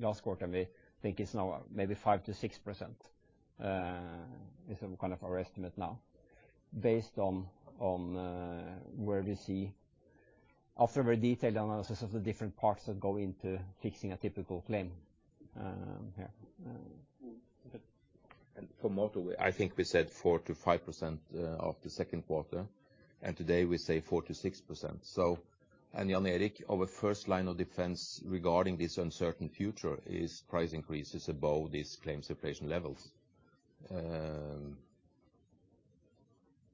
last quarter, and we think it's now maybe 5%-6%, is kind of our estimate now based on where we see after a very detailed analysis of the different parts that go into fixing a typical claim. Yeah. For motor, I think we said 4%-5% after second quarter. Today we say 4%-6%. Jan Erik, our first line of defense regarding this uncertain future is price increases above these claims inflation levels.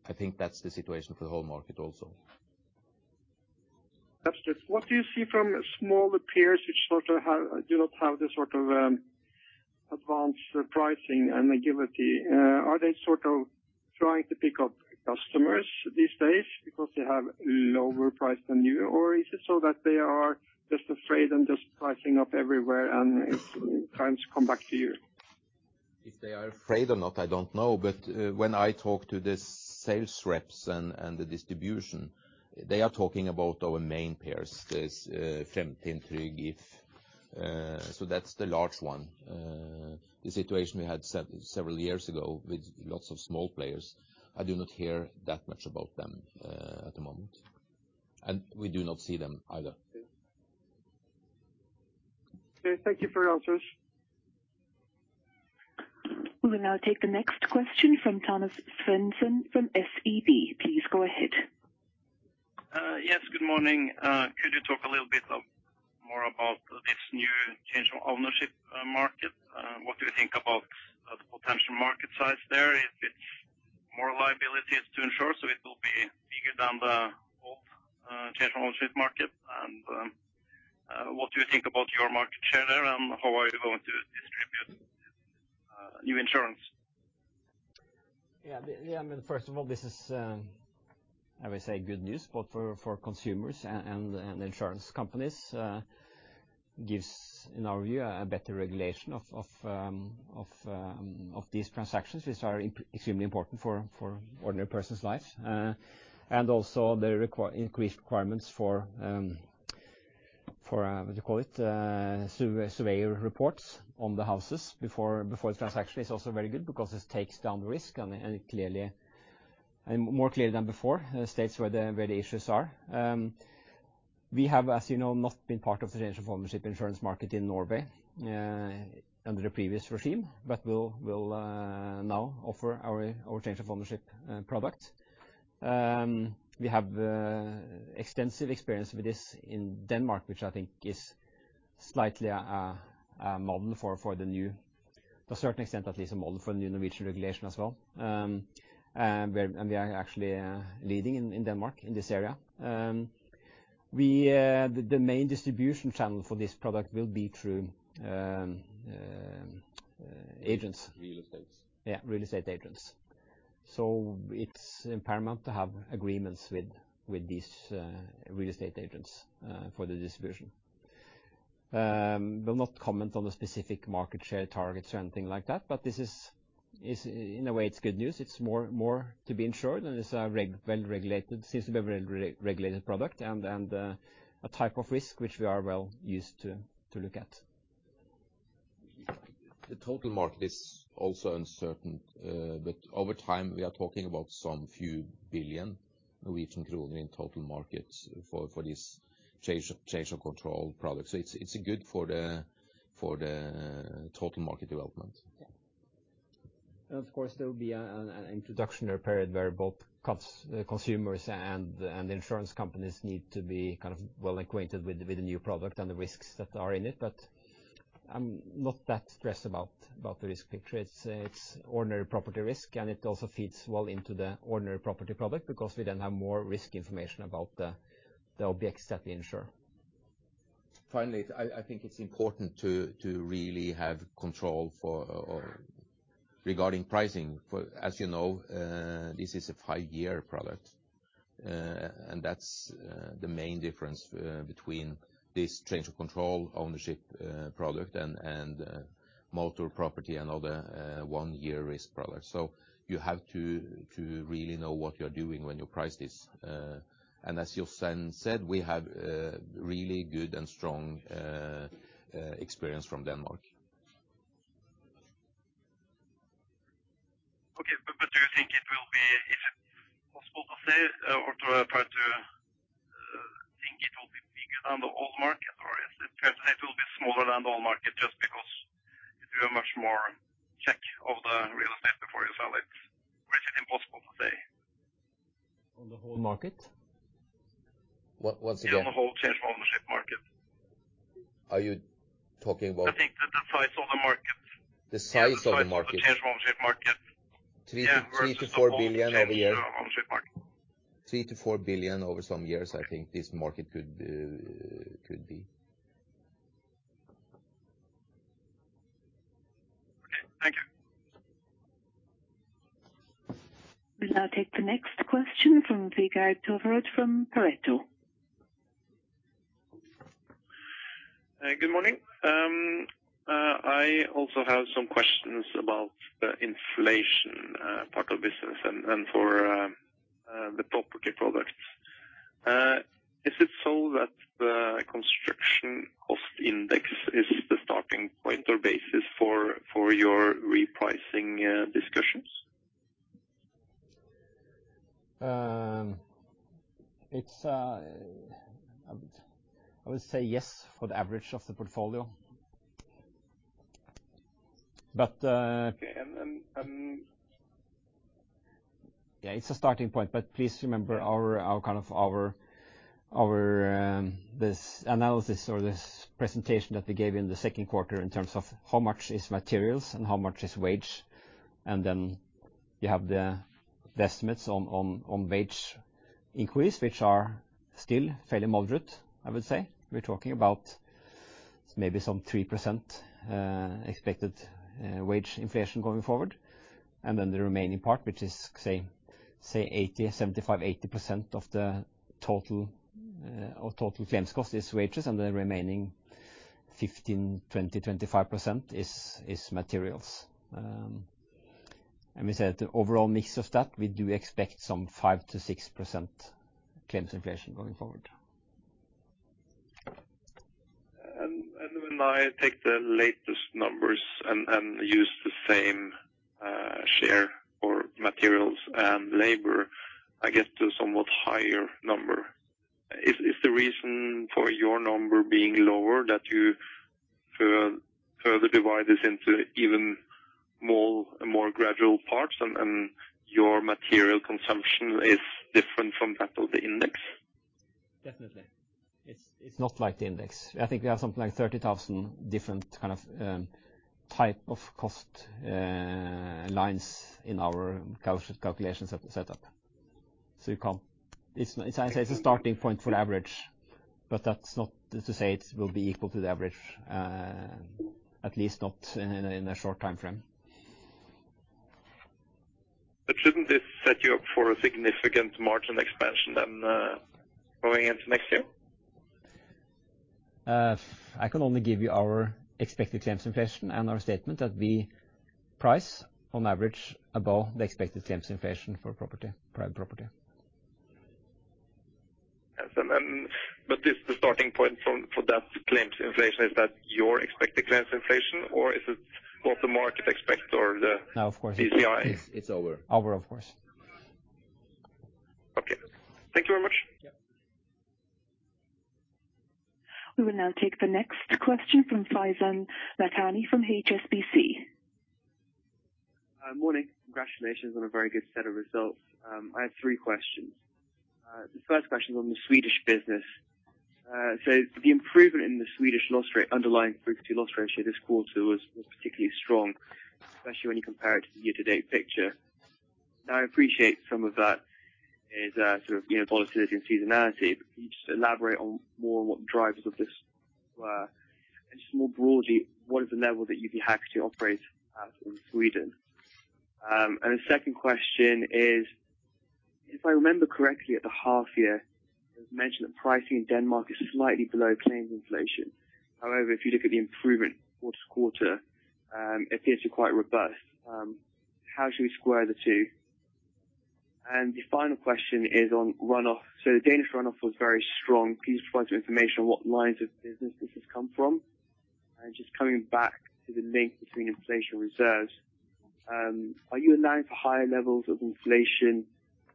I think that's the situation for the whole market also. Understood. What do you see from smaller peers which do not have the sort of advanced pricing agility? Are they trying to pick up customers these days because they have lower price than you? Is it so that they are just afraid and just pricing up everywhere and clients come back to you? If they are afraid or not, I don't know. When I talk to the sales reps and the distribution, they are talking about our main peers. There's Fremtind, Tryg, If. That's the large one. The situation we had several years ago with lots of small players, I do not hear that much about them at the moment. We do not see them either. Okay. Thank you for your answers. We will now take the next question from Thomas Svendsen from SEB. Please go ahead. Yes, good morning. Could you talk a little bit more about this new Change of Ownership market? What do you think about the potential market size there? If it's more liabilities to insure, so it will be bigger than the old Change of Ownership market. What do you think about your market share there, and how are you going to distribute new insurance? First of all, this is, I would say, good news both for consumers and insurance companies. Gives, in our view, a better regulation of these transactions, which are extremely important for ordinary persons' lives. Also the increased requirements for, what do you call it, surveyor reports on the houses before the transaction is also very good because this takes down the risk and more clearly than before, states where the issues are. We have, as you know, not been part of the change of ownership insurance market in Norway under the previous regime, but we'll now offer our change of ownership product. We have extensive experience with this in Denmark, which I think is slightly a model for the new. To a certain extent, at least, a model for the new Norwegian regulation as well. We are actually leading in Denmark in this area. The main distribution channel for this product will be through agents. Real estates. Yeah, real estate agents. It's paramount to have agreements with these real estate agents for the distribution. Will not comment on the specific market share targets or anything like that. This is, in a way it's good news. It's more to be insured, and it's a well-regulated product and a type of risk which we are well used to look at. The total market is also uncertain. Over time, we are talking about some few billion Norwegian krona in total markets for this change of control product. It's good for the total market development. Yeah. Of course, there will be an introductory period where both consumers and insurance companies need to be well acquainted with the new product and the risks that are in it. I'm not that stressed about the risk picture. It's ordinary property risk, and it also feeds well into the ordinary property product because we then have more risk information about the objects that we insure. Finally, I think it's important to really have control regarding pricing. As you know, this is a 5-year product. That's the main difference between this change of control ownership product and motor property and other one-year risk products. You have to really know what you're doing when you price this. As Jostein said, we have really good and strong experience from Denmark. Okay. Do you think it will be, if possible to say, or to try to think it will be bigger than the old market, or is it fair to say it will be smaller than the old market just because you do a much more check of the real estate before you sell it? Or is it impossible to say? On the whole market? Once again. Yeah, on the whole Change of ownership market. Are you talking about? I think the size of the market. The size of the market. Yeah, the size of the change of ownership market. 3 billion-4 billion over some years, I think this market could be. Okay. Thank you. We'll now take the next question from Vegard Toverud from Pareto. Good morning. I also have some questions about the inflation part of business and for the property products. Is it so that the construction cost index is the starting point or basis for your repricing discussions? I would say yes, for the average of the portfolio. Okay. Yeah. It's a starting point, but please remember our analysis or this presentation that we gave in the second quarter in terms of how much is materials and how much is wage. You have the estimates on wage increase, which are still fairly moderate, I would say. We're talking about maybe some 3% expected wage inflation going forward. The remaining part, which is, say, 75%-80% of the total claims cost is wages, and the remaining 15%-25% is materials. We said the overall mix of that, we do expect some 5%-6% claims inflation going forward. When I take the latest numbers and use the same share for materials and labor, I get to a somewhat higher number. Is the reason for your number being lower that you further divide this into even more gradual parts, and your material consumption is different from that of the index? Definitely. It's not like the index. I think we have something like 30,000 different type of cost lines in our calculations setup. As I said, it's a starting point for the average, but that's not to say it will be equal to the average, at least not in a short timeframe. Shouldn't this set you up for a significant margin expansion, then, going into next year? I can only give you our expected claims inflation and our statement that we price on average above the expected claims inflation for private property. The starting point for that claims inflation, is that your expected claims inflation, or is it what the market expects or the CCI? No, of course it's our. Our, of course. Okay. Thank you very much. We will now take the next question from Faizan Lakhani from HSBC. Morning. Congratulations on a very good set of results. I have three questions. The first question is on the Swedish business. The improvement in the Swedish underlying frequency loss ratio this quarter was particularly strong, especially when you compare it to the year-to-date picture. Now, I appreciate some of that is sort of volatility and seasonality, but can you just elaborate on more what the drivers of this were? Just more broadly, what is the level that you'd be happy to operate at in Sweden? The second question is, if I remember correctly at the half year, you mentioned that pricing in Denmark is slightly below claims inflation. If you look at the improvement quarter-to-quarter, it appears you're quite robust. How should we square the two? The final question is on runoff. The Danish runoff was very strong. Please provide some information on what lines of business this has come from. Just coming back to the link between inflation reserves, are you allowing for higher levels of inflation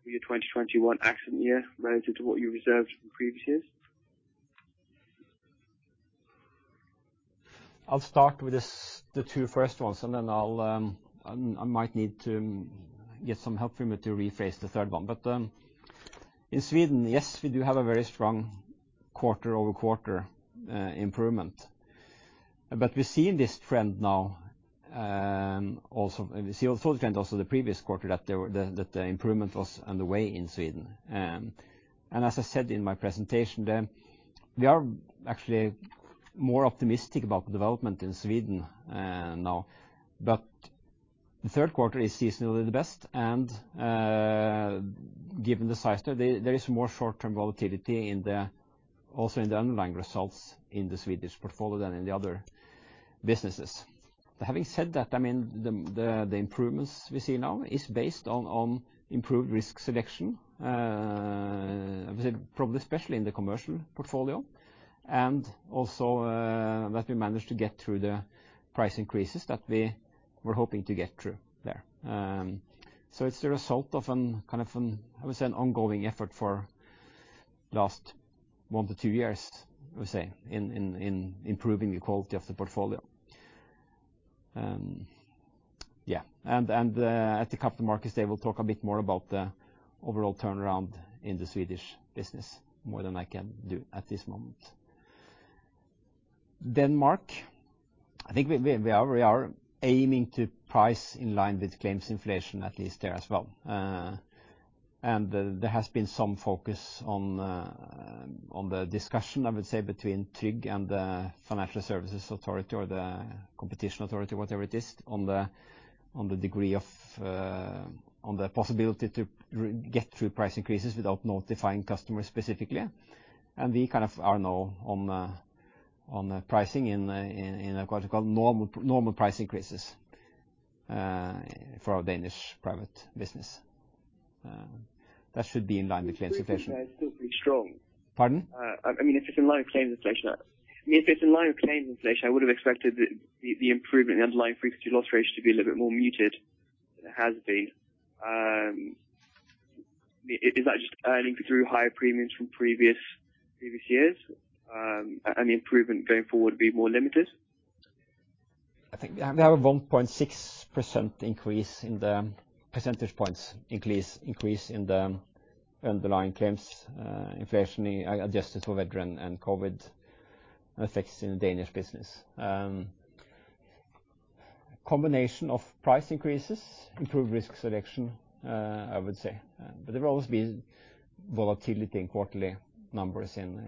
for your 2021 accident year relative to what you reserved from previous years? I'll start with the two first ones, and then I might need to get some help from you to rephrase the third one. In Sweden, yes, we do have a very strong quarter-over-quarter improvement. We see in this trend now, and we saw the trend also the previous quarter that the improvement was underway in Sweden. As I said in my presentation, we are actually more optimistic about the development in Sweden now. The third quarter is seasonally the best, and given the size there is more short-term volatility also in the underlying results in the Swedish portfolio than in the other businesses. Having said that, the improvements we see now is based on improved risk selection, I would say, probably especially in the commercial portfolio, and also that we managed to get through the price increases that we were hoping to get through there. It's the result of an ongoing effort for last one to two years, I would say, in improving the quality of the portfolio. Yeah. At the Capital Markets Day, we'll talk a bit more about the overall turnaround in the Swedish business, more than I can do at this moment. Denmark, I think we are aiming to price in line with claims inflation at least there as well. There has been some focus on the discussion, I would say, between Tryg and the Financial Services Authority or the Competition Authority, whatever it is, on the possibility to get through price increases without notifying customers specifically. We are now on pricing in what you call normal price increases for our Danish private business. That should be in line with claims inflation. still pretty strong. Pardon? If it's in line with claims inflation, I would have expected the improvement in the underlying frequency loss ratio to be a little bit more muted than it has been. Is that just earning through higher premiums from previous years, and the improvement going forward will be more limited? I think we have a 1.6% increase in the percentage points increase in the underlying claims, inflation adjusted for weather and COVID effects in the Danish business. Combination of price increases, improved risk selection, I would say. There will always be volatility in quarterly numbers in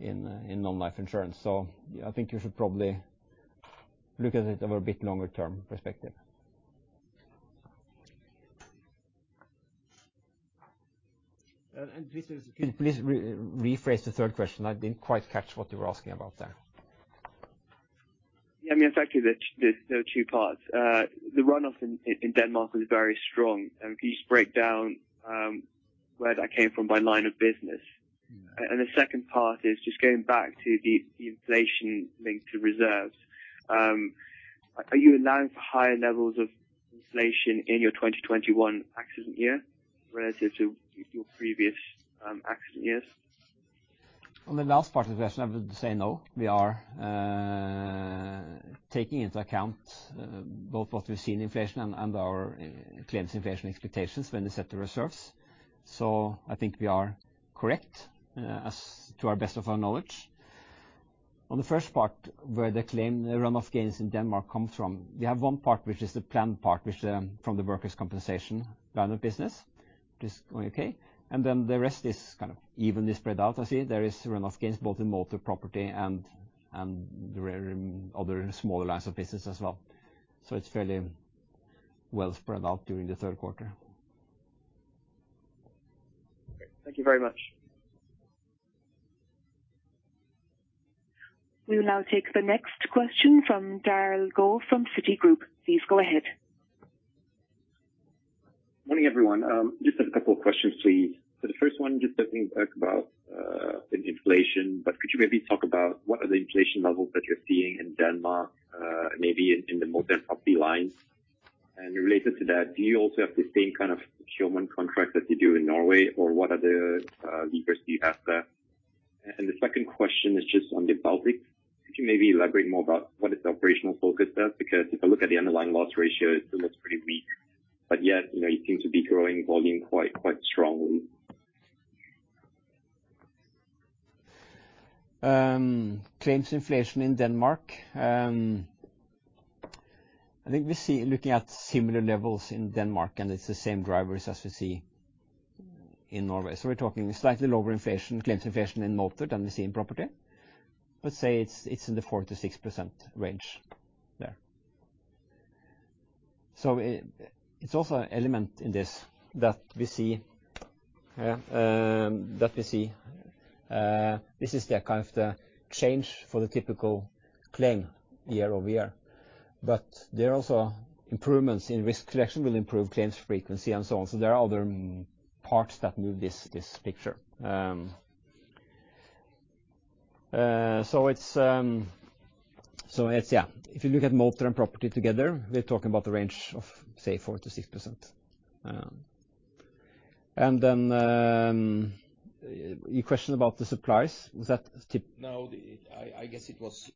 non-life insurance. I think you should probably look at it over a bit longer term perspective. And please- Please rephrase the third question. I didn't quite catch what you were asking about there. Yeah. Actually, there are two parts. The runoff in Denmark was very strong. Can you just break down where that came from by line of business? The second part is just going back to the inflation linked to reserves. Are you allowing for higher levels of inflation in your 2021 accident year relative to your previous accident years? On the last part of the question, I would say no. We are taking into account both what we see in inflation and our claims inflation expectations when we set the reserves. I think we are correct as to our best of our knowledge. On the first part, where the claim runoff gains in Denmark come from, we have one part, which is the planned part, which from the workers' compensation line of business, which is going okay. The rest is kind of evenly spread out. I see there is runoff gains both in motor property and other smaller lines of business as well. It's fairly well spread out during the third quarter. Great. Thank you very much. We will now take the next question from Daryl Goh from Citigroup. Please go ahead. Morning, everyone. Just have a couple of questions, please. The first one, just stepping back about the inflation, could you maybe talk about what are the inflation levels that you're seeing in Denmark, maybe in the motor property lines? Related to that, do you also have the same kind of human contract as you do in Norway? What other levers do you have there? The second question is just on the Baltics. Could you maybe elaborate more about what is the operational focus there? Because if I look at the underlying loss ratio, it still looks pretty weak, but yet, you seem to be growing volume quite strongly. Claims inflation in Denmark. I think we're looking at similar levels in Denmark, it's the same drivers as we see in Norway. We're talking slightly lower claims inflation in motor than we see in property, but say it's in the 4%-6% range there. It's also an element in this that we see. This is the change for the typical claim year-over-year. There are also improvements in risk collection will improve claims frequency and so on. There are other parts that move this picture. If you look at motor and property together, we are talking about the range of, say, 4%-6%. Your question about the suppliers, was that? No, I guess it was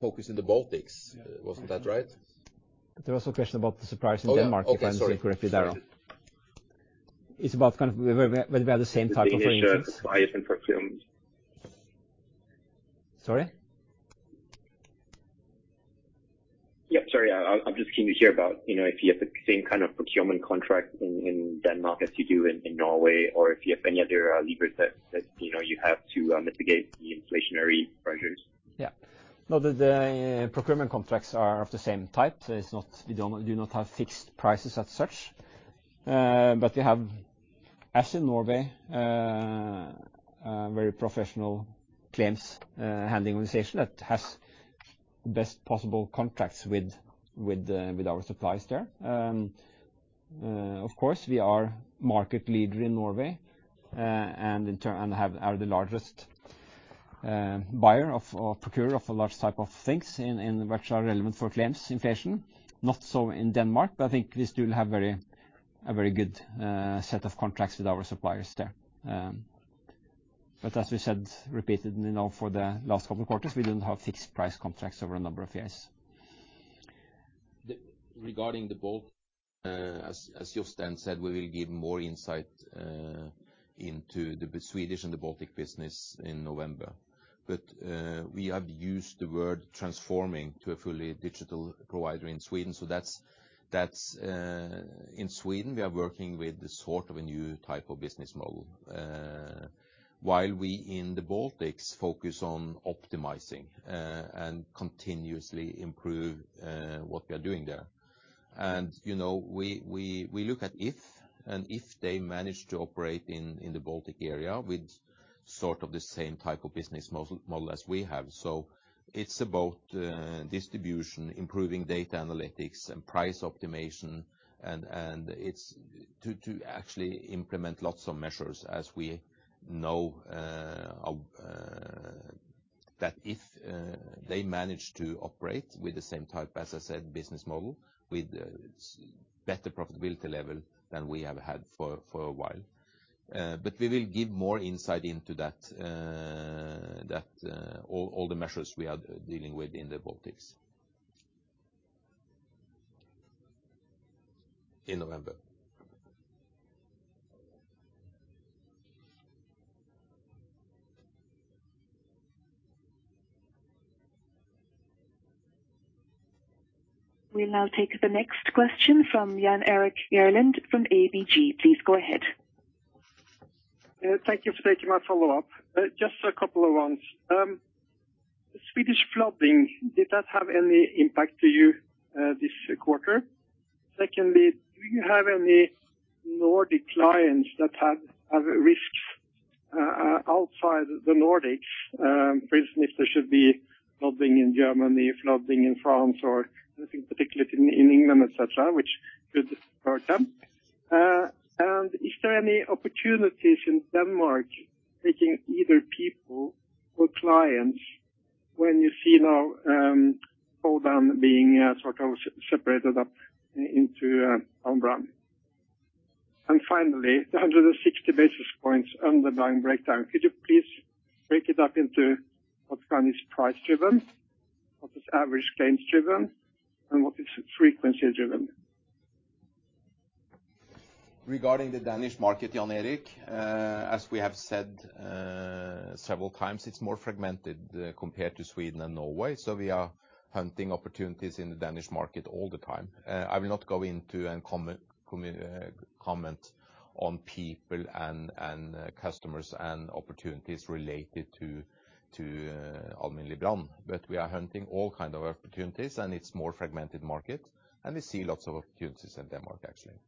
focused in the Baltics. Wasn't that right? There was also a question about the suppliers in Denmark. Okay. Sorry If I remember correctly, Daryl. It's about whether we have the same type of arrangements. The Danish suppliers and procurements. Sorry? Yep, sorry. I'm just keen to hear about if you have the same kind of procurement contract in Denmark as you do in Norway, or if you have any other levers that you have to mitigate the inflationary pressures? Yeah. No, the procurement contracts are of the same type. We do not have fixed prices as such. We have, as in Norway, a very professional claims handling organization that has best possible contracts with our suppliers there. Of course, we are market leader in Norway, and are the largest buyer or procurer of a large type of things in which are relevant for claims inflation. Not so in Denmark, but I think we still have a very good set of contracts with our suppliers there. As we said repeatedly now for the last couple of quarters, we don't have fixed price contracts over a number of years. Regarding the Baltics, as Jostein said, we will give more insight into the Swedish and the Baltic business in November. We have used the word transforming to a fully digital provider in Sweden. In Sweden, we are working with a new type of business model. While we in the Baltics focus on optimizing and continuously improve what we are doing there. We look at If, and If they manage to operate in the Baltic area with sort of the same type of business model as we have. It's about distribution, improving data analytics, and price optimization to actually implement lots of measures as we know that if they manage to operate with the same type, as I said, business model with better profitability level than we have had for a while. We will give more insight into all the measures we are dealing with in the Baltics in November. We'll now take the next question from Jan Erik Gjerland from ABG. Please go ahead. Thank you for taking my follow-up. Just a couple of ones. Swedish flooding, did that have any impact to you this quarter? Secondly, do you have any Nordic clients that have risks outside the Nordics? For instance, if there should be flooding in Germany, flooding in France or anything particularly in England, et cetera, which could hurt them. Is there any opportunities in Denmark taking either people or clients when you see now Codan being separated up into Alm. Brand? Finally, the 160 basis points underlying breakdown. Could you please break it up into what kind is price driven, what is average claims driven, and what is frequency driven? Regarding the Danish market, Jan Erik, as we have said several times, it's more fragmented compared to Sweden and Norway. We are hunting opportunities in the Danish market all the time. I will not go into and comment on people and customers and opportunities related to Alm. Brand. We are hunting all kind of opportunities, and it's more fragmented market, and we see lots of opportunities in Denmark, actually.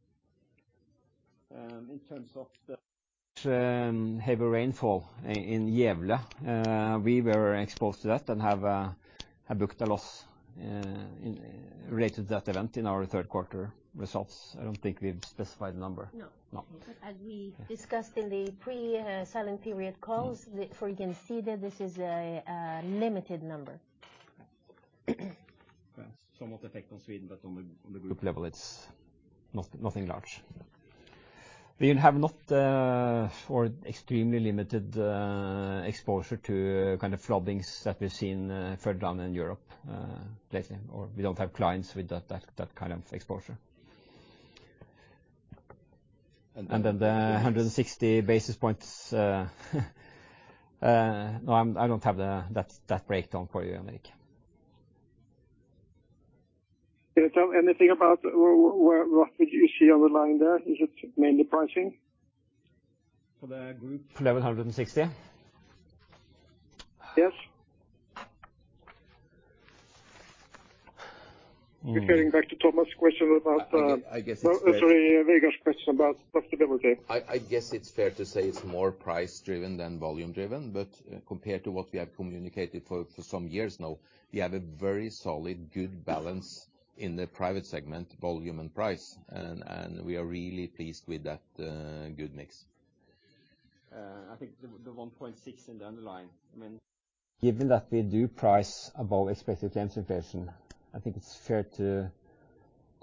In terms of the heavy rainfall in Gävle, we were exposed to that and have booked a loss related to that event in our third quarter results. I don't think we've specified the number. No. No. As we discussed in the pre-silent period calls, for Gjensidige, this is a limited number. Some of the effect on Sweden, but on the group level, it's nothing large. We have extremely limited exposure to floodings that we've seen further down in Europe lately, or we don't have clients with that kind of exposure. The 160 basis points, no, I don't have that breakdown for you, Jan Erik. Can you tell anything about what you see underlying there? Is it mainly pricing? For the group? NOK 1,160? Yes. Referring back to Thomas' question about- I guess it's fair. Sorry, Vegard's question about profitability. I guess it's fair to say it's more price driven than volume driven. Compared to what we have communicated for some years now, we have a very solid, good balance in the private segment, volume, and price, and we are really pleased with that good mix. I think the 1.6 in the underlying, given that we do price above expected claims inflation, I think it is fair to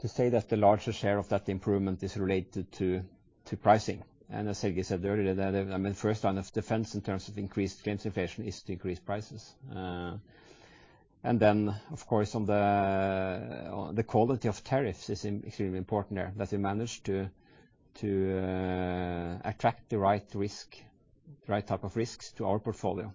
say that the larger share of that improvement is related to pricing. As Helge said earlier, the first line of defense in terms of increased claims inflation is to increase prices. Of course, the quality of tariffs is extremely important there, that we manage to attract the right type of risks to our portfolio.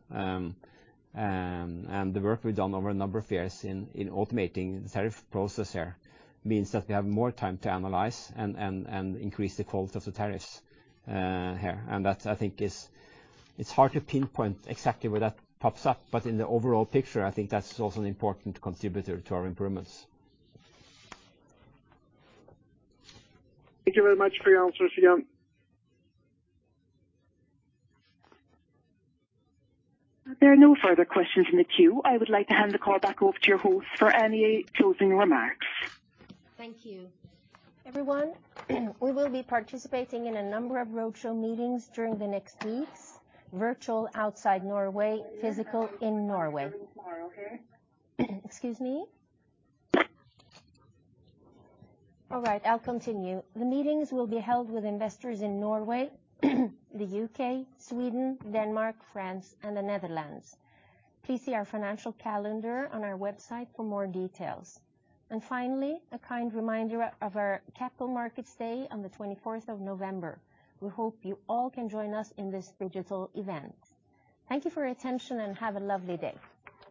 The work we have done over a number of years in automating the tariff process here means that we have more time to analyze and increase the quality of the tariffs here. That, I think is hard to pinpoint exactly where that pops up. In the overall picture, I think that is also an important contributor to our improvements. Thank you very much for your answers again. There are no further questions in the queue. I would like to hand the call back over to your host for any closing remarks. Thank you. Everyone, we will be participating in a number of roadshow meetings during the next weeks, virtual outside Norway, physical in Norway. Excuse me. All right, I'll continue. The meetings will be held with investors in Norway, the U.K., Sweden, Denmark, France, and the Netherlands. Please see our financial calendar on our website for more details. Finally, a kind reminder of our Capital Markets Day on the 24th of November. We hope you all can join us in this digital event. Thank you for your attention, have a lovely day.